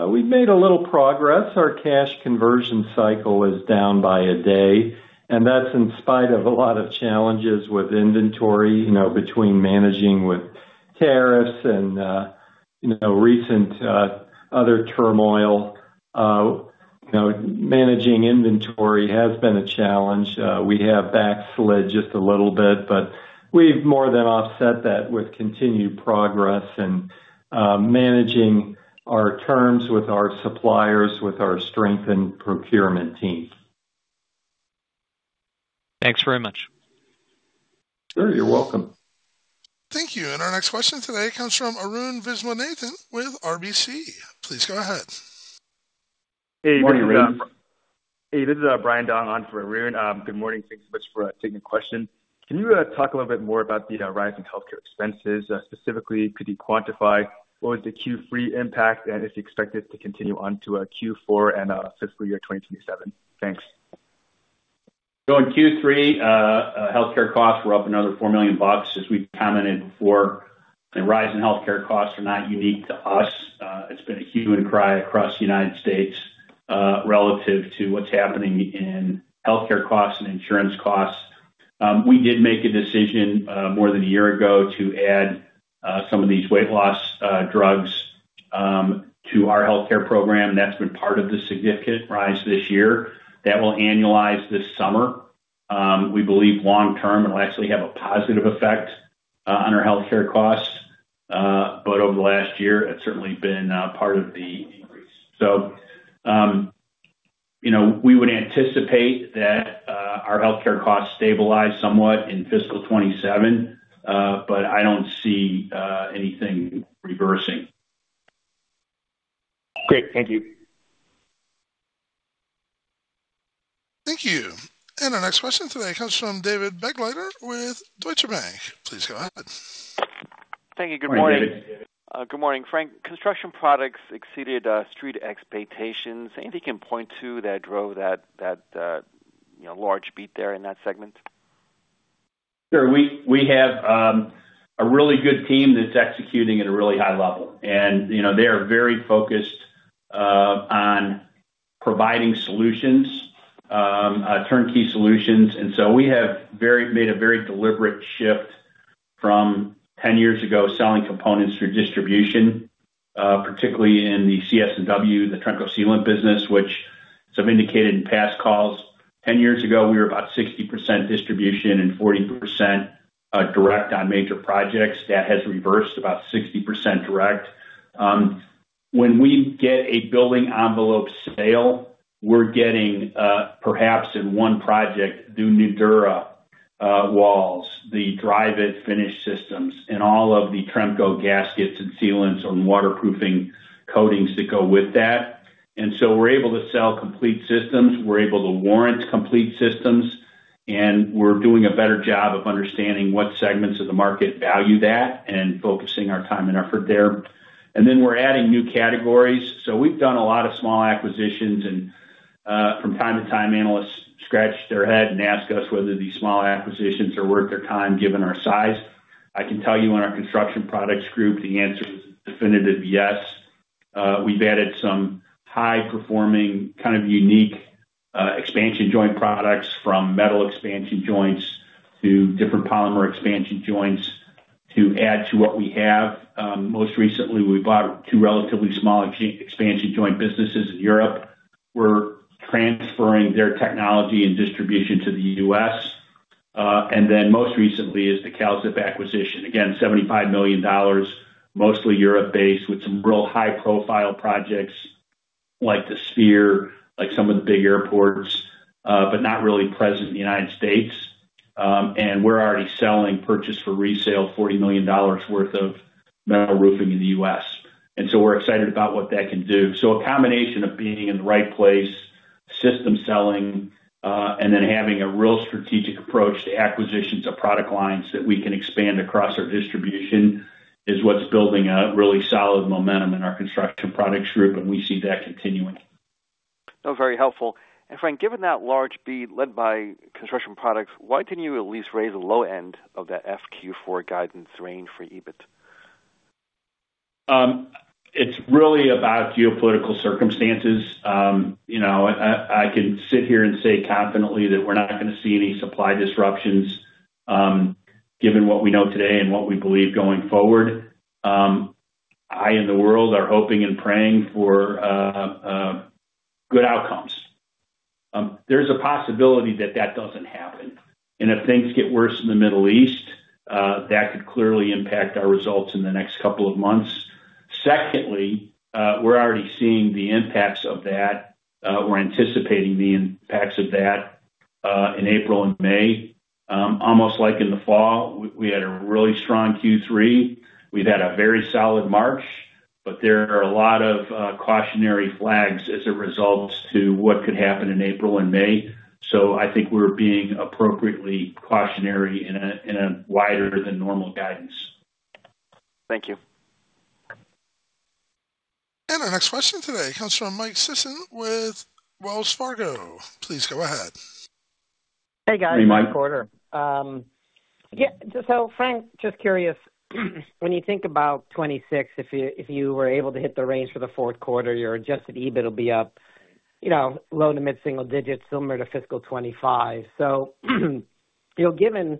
we've made a little progress. Our cash conversion cycle is down by a day, and that's in spite of a lot of challenges with inventory between managing with tariffs and recent other turmoil. Managing inventory has been a challenge. We have backslid just a little bit, but we've more than offset that with continued progress in managing our terms with our suppliers, with our strengthened procurement team. Thanks very much. Sure. You're welcome. Thank you. Our next question today comes from Arun Viswanathan with RBC. Please go ahead. Morning, Arun. Hey, this is Brian Dong on for Arun. Good morning. Thank you so much for taking the question. Can you talk a little bit more about the rise in healthcare expenses? Specifically, could you quantify what was the Q3 impact, and is it expected to continue on to Q4 and fiscal year 2027? Thanks. In Q3, healthcare costs were up another $4 million. As we've commented before, the rise in healthcare costs are not unique to us. It's been a human cry across the United States, relative to what's happening in healthcare costs and insurance costs. We did make a decision more than a year ago to add some of these weight loss drugs to our healthcare program. That's been part of the significant rise this year. That will annualize this summer. We believe long term it'll actually have a positive effect on our healthcare costs. Over the last year, it's certainly been part of the increase. We would anticipate that our healthcare costs stabilize somewhat in fiscal 2027. I don't see anything reversing. Great. Thank you. Thank you. Our next question today comes from David Begleiter with Deutsche Bank. Please go ahead. Morning, David. Thank you. Good morning. Good morning, Frank. Construction Products exceeded street expectations. Anything you can point to that drove that large beat there in that segment? Sure. We have a really good team that's executing at a really high level. They are very focused on providing solutions, turnkey solutions. We have made a very deliberate shift from 10 years ago, selling components through distribution, particularly in the CSW, the Tremco Sealant business, which as I've indicated in past calls, 10 years ago, we were about 60% distribution and 40% direct on major projects. That has reversed about 60% direct. When we get a building envelope sale, we're getting perhaps in one project, the Nudura walls, the Dryvit finish systems, and all of the Tremco gaskets and sealants on waterproofing coatings that go with that. We're able to sell complete systems, we're able to warrant complete systems, and we're doing a better job of understanding what segments of the market value that and focusing our time and effort there. We're adding new categories. We've done a lot of small acquisitions, and from time to time, analysts scratch their head and ask us whether these small acquisitions are worth their time, given our size. I can tell you on our Construction Products Group, the answer is a definitive yes. We've added some high performing, kind of unique, expansion joint products from metal expansion joints to different polymer expansion joints to add to what we have. Most recently, we bought two relatively small expansion joint businesses in Europe. We're transferring their technology and distribution to the U.S. Most recently is the Kalzip acquisition. Again, $75 million, mostly Europe-based with some real high profile projects like the Sphere, like some of the big airports, but not really present in the United States. We're already selling purchases for resale, $40 million worth of metal roofing in the U.S. We're excited about what that can do. A combination of being in the right place, system selling, and then having a real strategic approach to acquisitions of product lines that we can expand across our distribution is what's building a really solid momentum in our Construction Products Group, and we see that continuing. That was very helpful. Frank, given that large beat led by Construction Products, why can you at least raise the low end of that FQ4 guidance range for EBIT? It's really about geopolitical circumstances. I could sit here and say confidently that we're not going to see any supply disruptions, given what we know today and what we believe going forward. I, and the world, are hoping and praying for good outcomes. There's a possibility that that doesn't happen. If things get worse in the Middle East, that could clearly impact our results in the next couple of months. Secondly, we're already seeing the impacts of that. We're anticipating the impacts of that. In April and May, almost like in the fall, we had a really strong Q3. We've had a very solid March, but there are a lot of cautionary flags as a result to what could happen in April and May. I think we're being appropriately cautionary in a wider than normal guidance. Thank you. Our next question today comes from Mike Sison with Wells Fargo. Please go ahead. Hey, guys. Hey, Mike. Frank, just curious, when you think about 2026, if you were able to hit the range for the fourth quarter, your adjusted EBIT will be up low- to mid-single digits, similar to fiscal 2025. Given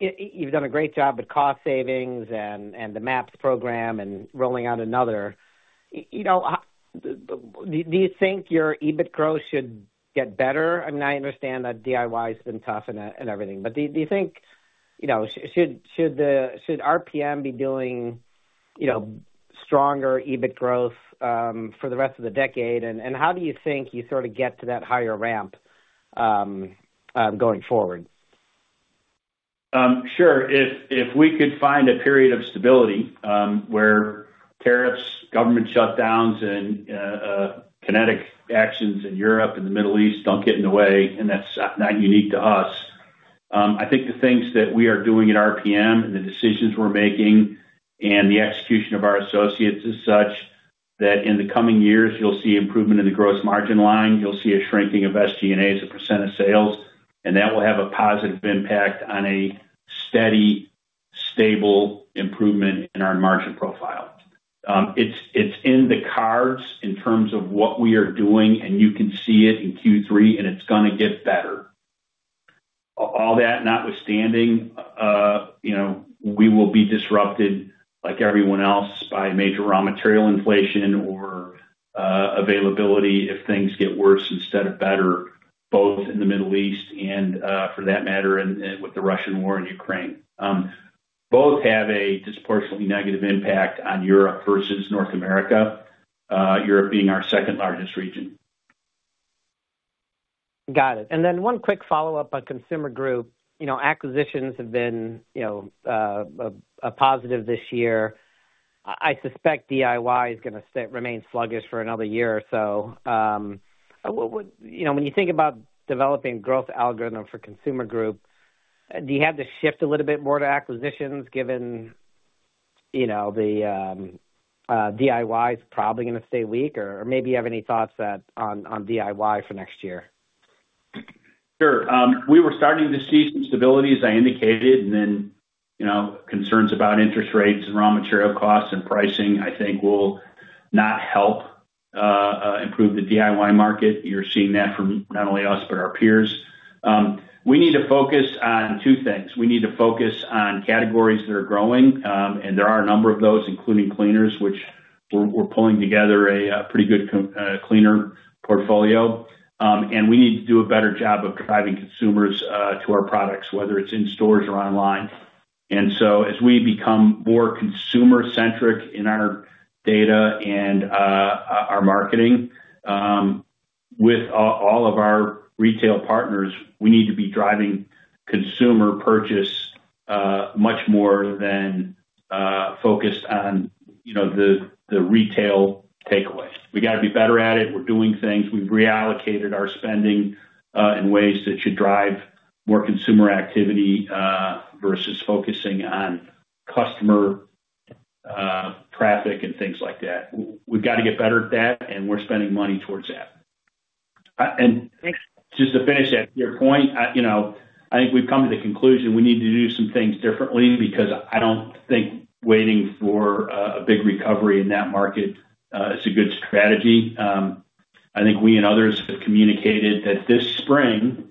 you've done a great job with cost savings and the MAPs program and rolling out another, do you think your EBIT growth should get better? I understand that DIY has been tough and everything, but should RPM be doing stronger EBIT growth for the rest of the decade? How do you think you sort of get to that higher ramp going forward? Sure. If we could find a period of stability, where tariffs, government shutdowns, and kinetic actions in Europe and the Middle East don't get in the way, and that's not unique to us. I think the things that we are doing at RPM and the decisions we're making and the execution of our associates is such that in the coming years, you'll see improvement in the gross margin line. You'll see a shrinking of SG&A as a percentage of sales, and that will have a positive impact on a steady, stable improvement in our margin profile. It's in the cards in terms of what we are doing, and you can see it in Q3, and it's going to get better. All that notwithstanding, we will be disrupted like everyone else by major raw material inflation or availability if things get worse instead of better, both in the Middle East and, for that matter, with the Russian war in Ukraine. Both have a disproportionately negative impact on Europe versus North America, Europe being our second largest region. Got it. One quick follow-up on Consumer Group. Acquisitions have been a positive this year. I suspect DIY is going to remain sluggish for another year or so. When you think about developing growth algorithm for Consumer Group, do you have to shift a little bit more to acquisitions given DIY is probably going to stay weak? Or maybe you have any thoughts on DIY for next year? Sure. We were starting to see some stability, as I indicated, and then concerns about interest rates and raw material costs and pricing, I think, will not help improve the DIY market. You're seeing that from not only us, but our peers. We need to focus on two things. We need to focus on categories that are growing, and there are a number of those, including cleaners, which we're pulling together a pretty good cleaner portfolio. We need to do a better job of driving consumers to our products, whether it's in stores or online. As we become more consumer-centric in our data and our marketing with all of our retail partners, we need to be driving consumer purchase much more than focused on the retail takeaway. We got to be better at it. We're doing things. We've reallocated our spending in ways that should drive more consumer activity versus focusing on customer traffic and things like that. We've got to get better at that, and we're spending money towards that. Just to finish that, your point, I think we've come to the conclusion we need to do some things differently because I don't think waiting for a big recovery in that market is a good strategy. I think we and others have communicated that this spring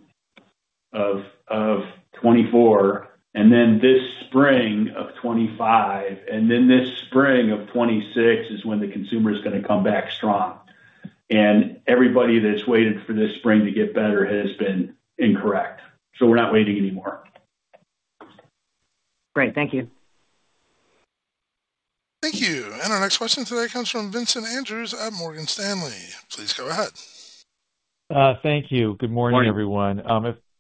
of 2024, and then this spring of 2025, and then this spring of 2026 is when the consumer is going to come back strong. Everybody that's waited for this spring to get better has been incorrect. We're not waiting anymore. Great. Thank you. Thank you. Our next question today comes from Vincent Andrews at Morgan Stanley. Please go ahead. Thank you. Good morning, everyone.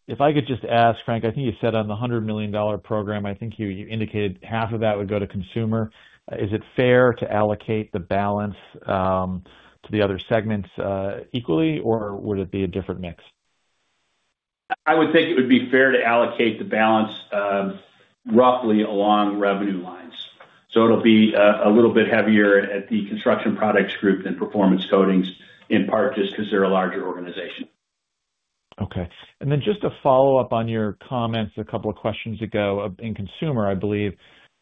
If I could just ask, Frank, I think you said on the $100 million program, I think you indicated half of that would go to Consumer. Is it fair to allocate the balance to the other segments equally, or would it be a different mix? I would think it would be fair to allocate the balance roughly along revenue lines. It'll be a little bit heavier at the Construction Products Group than Performance Coatings, in part just because they're a larger organization. Okay. Just a follow-up on your comments a couple of questions ago in consumer, I believe,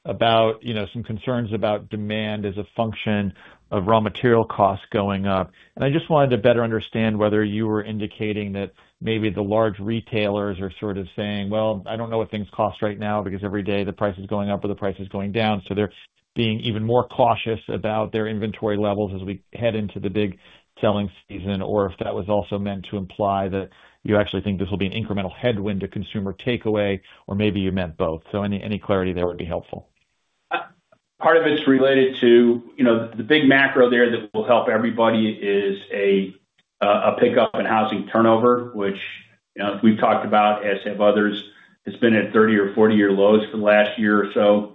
about some concerns about demand as a function of raw material costs going up. I just wanted to better understand whether you were indicating that maybe the large retailers are sort of saying, "Well, I don't know what things cost right now because every day the price is going up or the price is going down." They're being even more cautious about their inventory levels as we head into the big selling season, or if that was also meant to imply that you actually think this will be an incremental headwind to consumer takeaway, or maybe you meant both. Any clarity there would be helpful. Part of it's related to the big macro there that will help everybody is a pickup in housing turnover, which, as we've talked about, as have others, has been at 30- or 40-year lows for the last year or so.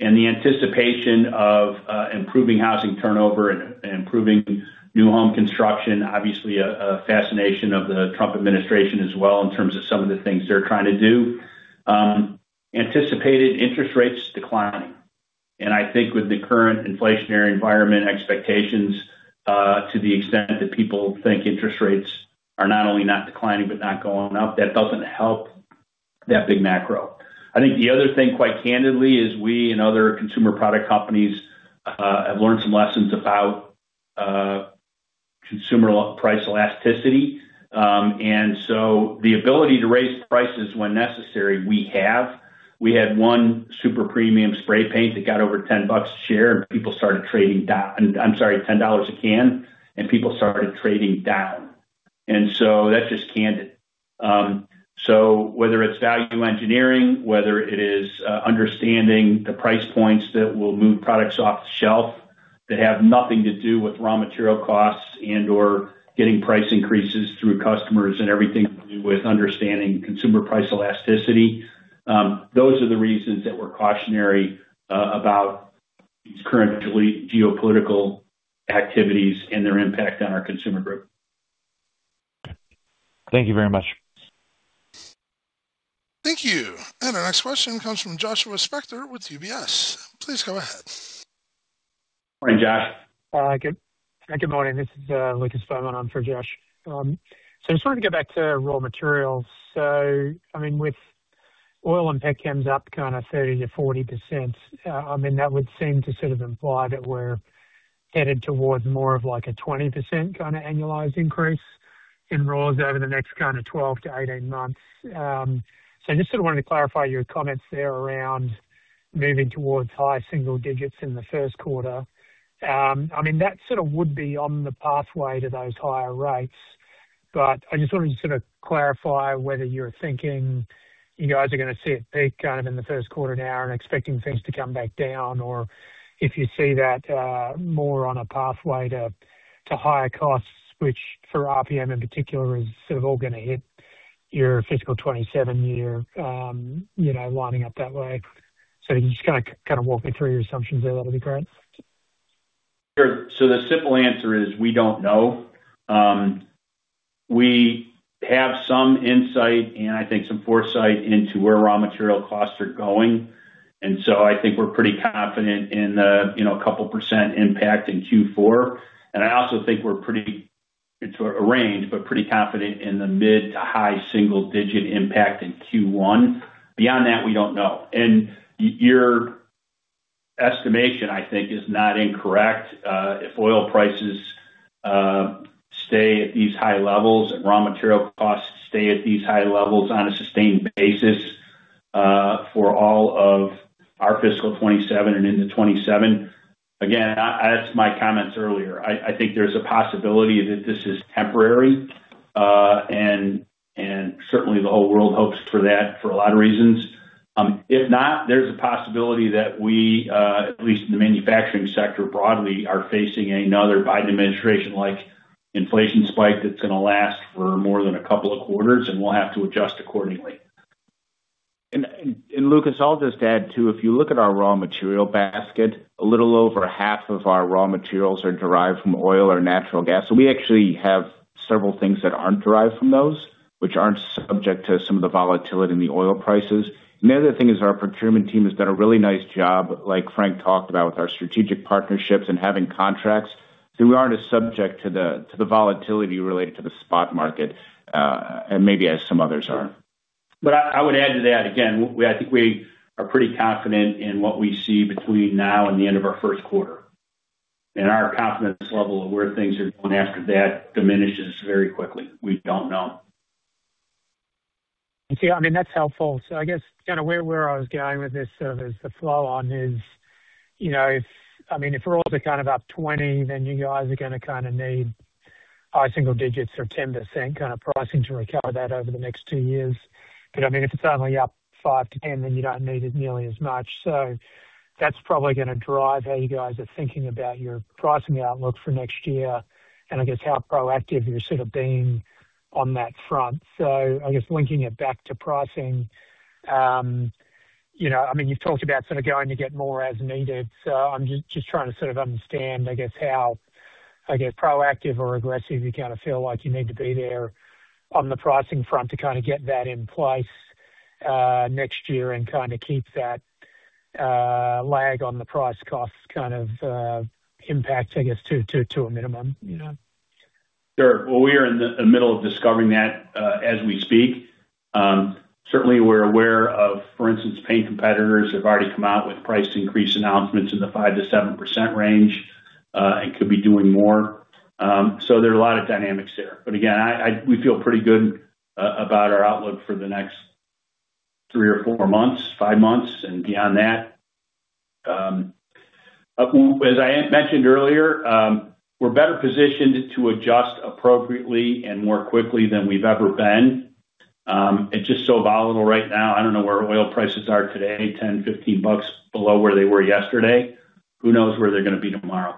The anticipation of improving housing turnover and improving new home construction, obviously, a fascination of the Trump administration as well in terms of some of the things they're trying to do, anticipated interest rates declining. I think with the current inflationary environment expectations, to the extent that people think interest rates are not only not declining but not going up, that doesn't help that big macro. I think the other thing, quite candidly, is we and other consumer product companies have learned some lessons about consumer price elasticity. The ability to raise prices when necessary, we have. We had one super premium spray paint that got over $10 a can, and people started trading down. That's just candid. Whether it's value engineering, whether it is understanding the price points that will move products off the shelf that have nothing to do with raw material costs and/or getting price increases through customers and everything to do with understanding consumer price elasticity. Those are the reasons that we're cautionary about these current geopolitical activities and their impact on our Consumer Group. Thank you very much. Thank you. Our next question comes from Joshua Spector with UBS. Please go ahead. Morning, Josh. Good morning. This is Lucas Beaumont on for Josh. I just wanted to go back to raw materials. With oil and petcems up 30%-40%, that would seem to sort of imply that we're headed towards more of a 20% kind of annualized increase in raws over the next kind of 12 to 18 months. I just wanted to clarify your comments there around moving towards high single digits in the first quarter. That sort of would be on the pathway to those higher rates. I just wanted to sort of clarify whether you're thinking you guys are going to see it peak kind of in the first quarter now and expecting things to come back down, or if you see that more on a pathway to higher costs, which for RPM in particular is sort of all going to hit your fiscal 2027 year, lining up that way. You just kind of walk me through your assumptions there, that'll be great. Sure. The simple answer is we don't know. We have some insight and I think some foresight into where raw material costs are going. I think we're pretty confident in the couple percent impact in Q4. I also think we're pretty in tune with a range, but pretty confident in the mid- to high-single-digit impact in Q1. Beyond that, we don't know. Your estimation, I think, is not incorrect. If oil prices stay at these high levels and raw material costs stay at these high levels on a sustained basis for all of our fiscal 2027 and into 2027. Again, as my comments earlier, I think there's a possibility that this is temporary, and certainly the whole world hopes for that for a lot of reasons. If not, there's a possibility that we, at least in the manufacturing sector broadly, are facing another Biden administration-like inflation spike that's going to last for more than a couple of quarters, and we'll have to adjust accordingly. Lucas, I'll just add, too, if you look at our raw material basket, a little over half of our raw materials are derived from oil or natural gas. We actually have several things that aren't derived from those, which aren't subject to some of the volatility in the oil prices. The other thing is our procurement team has done a really nice job, like Frank talked about, with our strategic partnerships and having contracts. We aren't as subject to the volatility related to the spot market, maybe as some others are. I would add to that, again, I think we are pretty confident in what we see between now and the end of our first quarter. Our confidence level of where things are going after that diminishes very quickly. We don't know. I see. That's helpful. I guess where I was going with this sort of as the flow-on is, if raws are up 20%, then you guys are going to need high single-digits or 10% kind of pricing to recover that over the next two years. If it's only up 5%-10%, then you don't need it nearly as much. That's probably going to drive how you guys are thinking about your pricing outlook for next year and I guess how proactive you're sort of being on that front. I guess linking it back to pricing, you've talked about sort of going to get more as needed. I'm just trying to sort of understand, I guess, how, I guess, proactive or aggressive you kind of feel like you need to be there on the pricing front to kind of get that in place next year and kind of keep that lag on the price costs kind of impact, I guess, to a minimum. Sure. Well, we are in the middle of discovering that as we speak. Certainly, we're aware of, for instance, paint competitors have already come out with price increase announcements in the 5%-7% range, and could be doing more. There are a lot of dynamics there. Again, we feel pretty good about our outlook for the next three or four months, five months. Beyond that. As I mentioned earlier, we're better positioned to adjust appropriately and more quickly than we've ever been. It's just so volatile right now. I don't know where oil prices are today, $10-$15 bucks below where they were yesterday. Who knows where they're going to be tomorrow?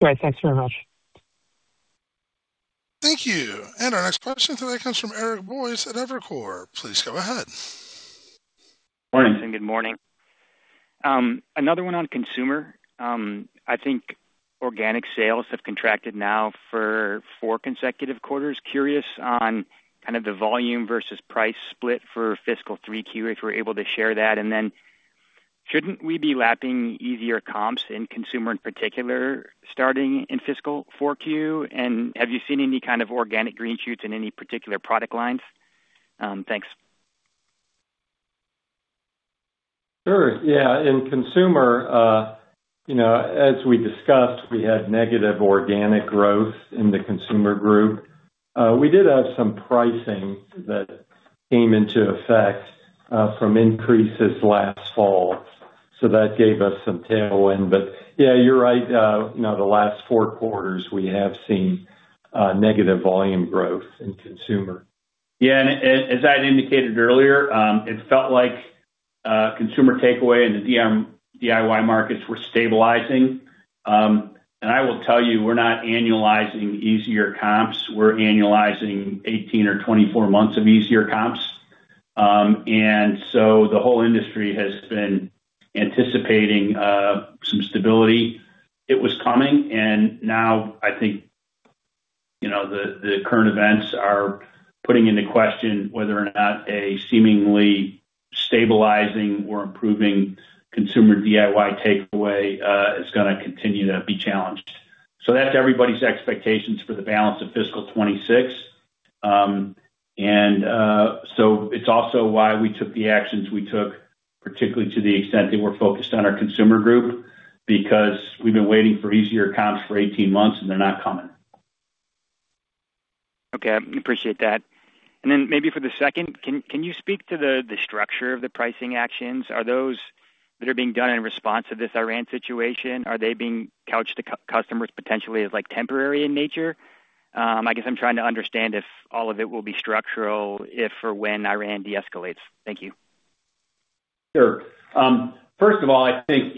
Great. Thanks very much. Thank you. Our next question today comes from Eric Boyes at Evercore. Please go ahead. Morning and good morning. Another one on Consumer. I think organic sales have contracted now for four consecutive quarters. Curious on kind of the volume versus price split for fiscal 3Q, if we're able to share that. Shouldn't we be lapping easier comps in consumer in particular, starting in fiscal 4Q? Have you seen any kind of organic green shoots in any particular product lines? Thanks. Sure. Yeah. In Consumer, as we discussed, we had negative organic growth in the Consumer Group. We did have some pricing that came into effect from increases last fall, so that gave us some tailwind. Yeah, you're right. The last four quarters, we have seen negative volume growth in consumer. Yeah, as I had indicated earlier, it felt like consumer takeaway in the DIY markets were stabilizing. I will tell you, we're not annualizing easier comps. We're annualizing 18 or 24 months of easier comps. The whole industry has been anticipating some stability. It was coming, and now I think the current events are putting into question whether or not a seemingly stabilizing or improving consumer DIY takeaway is gonna continue to be challenged. That's everybody's expectations for the balance of fiscal 2026. It's also why we took the actions we took, particularly to the extent they were focused on our Consumer Group, because we've been waiting for easier comps for 18 months, and they're not coming. Okay. I appreciate that. Maybe for the second, can you speak to the structure of the pricing actions? Are those that are being done in response to this inflation situation, are they being couched to customers potentially as temporary in nature? I guess I'm trying to understand if all of it will be structural if or when inflation deescalates. Thank you. Sure. First of all, I think,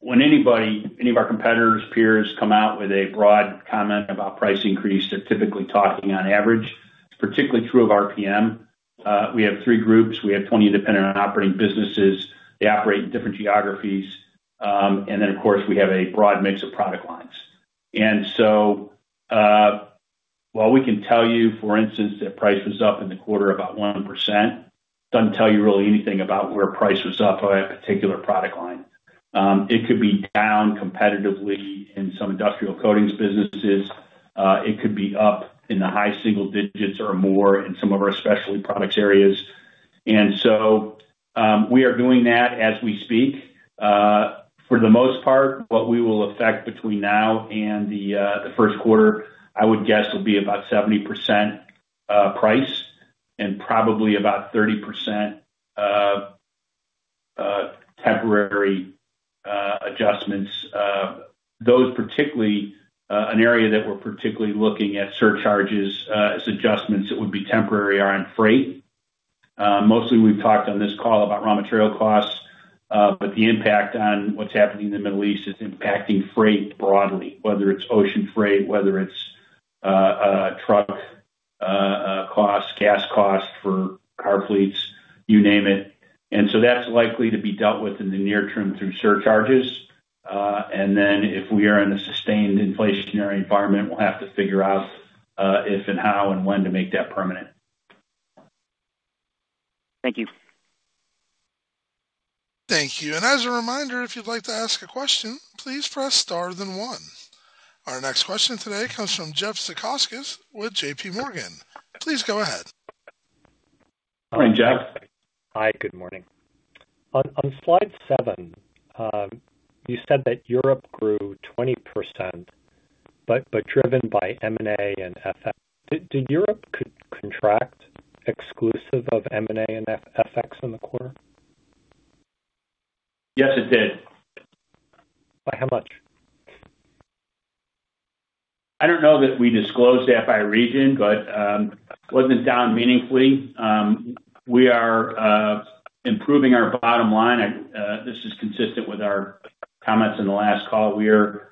when anybody, any of our competitors, peers, come out with a broad comment about price increase, they're typically talking on average. It's particularly true of RPM. We have three groups. We have 20 independent operating businesses. They operate in different geographies. Then, of course, we have a broad mix of product lines. While we can tell you, for instance, that price was up in the quarter about 1%, doesn't tell you really anything about where price was up on a particular product line. It could be down competitively in some Industrial Coatings businesses. It could be up in the high single-digits or more in some of our Specialty Products areas. We are doing that as we speak. For the most part, what we will affect between now and the first quarter, I would guess, will be about 70% price and probably about 30% temporary adjustments. An area that we're particularly looking at surcharges as adjustments that would be temporary are on freight. Mostly we've talked on this call about raw material costs, but the impact on what's happening in the Middle East is impacting freight broadly, whether it's ocean freight, whether it's truck costs, gas costs for car fleets, you name it. That's likely to be dealt with in the near term through surcharges. If we are in a sustained inflationary environment, we'll have to figure out if and how and when to make that permanent. Thank you. Thank you. As a reminder, if you'd like to ask a question, please press star then one. Our next question today comes from Jeff Zekauskas with J.P. Morgan. Please go ahead. Good morning, Jeff. Hi, good morning. On slide seven, you said that Europe grew 20%, but driven by M&A and FX. Did Europe contract exclusive of M&A and FX in the quarter? Yes, it did. By how much? I don't know that we disclosed it by region, but it wasn't down meaningfully. We are improving our bottom line. This is consistent with our comments in the last call. We are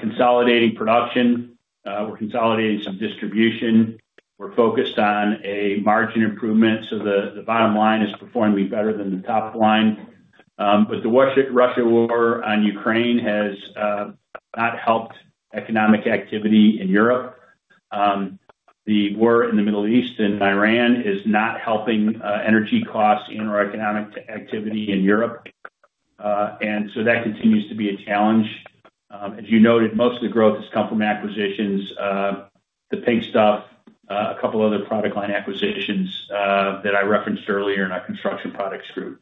consolidating production. We're consolidating some distribution. We're focused on a margin improvement, so the bottom line is performing better than the top line. The Russian war on Ukraine has not helped economic activity in Europe. The war in the Middle East and Iran is not helping energy costs and/or economic activity in Europe. That continues to be a challenge. As you noted, most of the growth has come from acquisitions, The Pink Stuff, a couple other product line acquisitions that I referenced earlier in our Construction Products Group.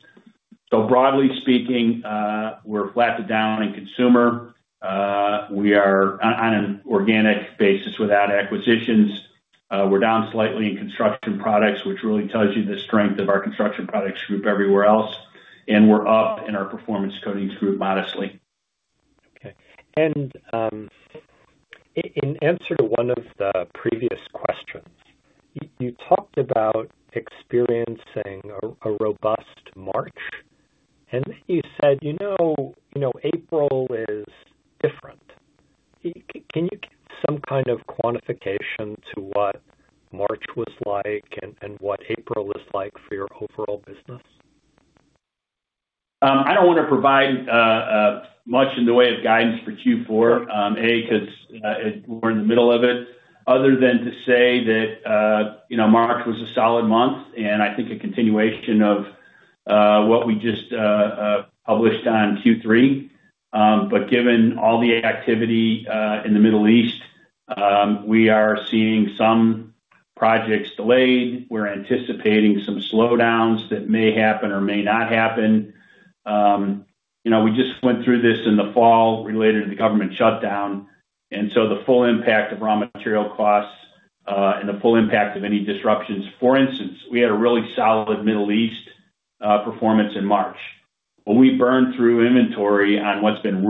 Broadly speaking, we're flat to down in Consumer Group. We are on an organic basis without acquisitions. We're down slightly in Construction Products, which really tells you the strength of our Construction Products Group everywhere else, and we're up in our Performance Coatings Group modestly. Okay. In answer to one of the previous questions, you talked about experiencing a robust March, and then you said April is different. Can you give some kind of quantification to what March was like and what April is like for your overall business? I don't want to provide much in the way of guidance for Q4, because we're in the middle of it, other than to say that March was a solid month and I think a continuation of what we just published on Q3. Given all the activity in the Middle East, we are seeing some projects delayed. We're anticipating some slowdowns that may happen or may not happen. We just went through this in the fall related to the government shutdown, and so the full impact of raw material costs and the full impact of any disruptions. For instance, we had a really solid Middle East performance in March. When we burn through inventory on what's been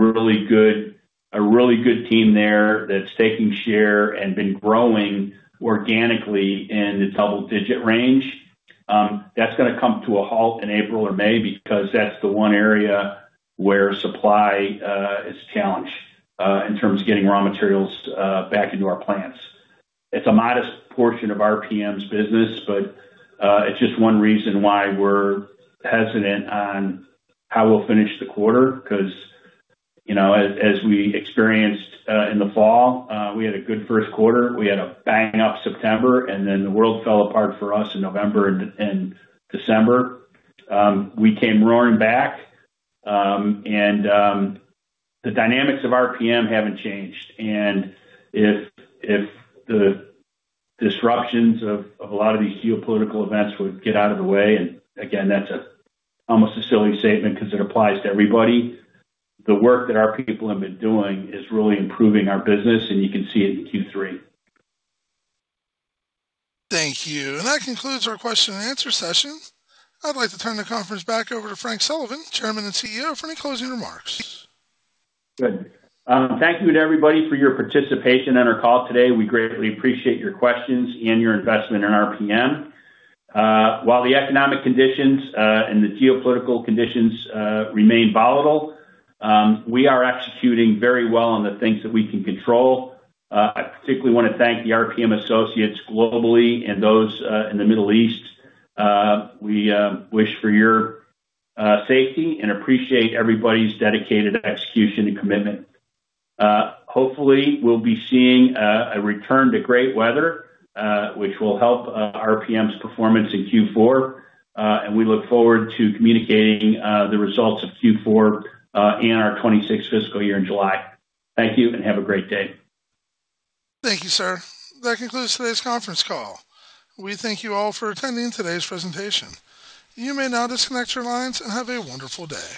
a really good team there that's taking share and been growing organically in the double-digit range, that's going to come to a halt in April or May because that's the one area where supply is challenged in terms of getting raw materials back into our plants. It's a modest portion of RPM's business, but it's just one reason why we're hesitant on how we'll finish the quarter because, as we experienced in the fall, we had a good first quarter. We had a bang-up September, and then the world fell apart for us in November and December. We came roaring back, and the dynamics of RPM haven't changed. If the disruptions of a lot of these geopolitical events would get out of the way, and again, that's almost a silly statement because it applies to everybody. The work that our people have been doing is really improving our business, and you can see it in Q3. Thank you. That concludes our question and answer session. I'd like to turn the conference back over to Frank Sullivan, Chairman and CEO, for any closing remarks. Good. Thank you to everybody for your participation in our call today. We greatly appreciate your questions and your investment in RPM. While the economic conditions and the geopolitical conditions remain volatile, we are executing very well on the things that we can control. I particularly want to thank the RPM associates globally and those in the Middle East. We wish for your safety and appreciate everybody's dedicated execution and commitment. Hopefully, we'll be seeing a return to great weather, which will help RPM's performance in Q4, and we look forward to communicating the results of Q4 and our 26th fiscal year in July. Thank you and have a great day. Thank you, sir. That concludes today's conference call. We thank you all for attending today's presentation. You may now disconnect your lines and have a wonderful day.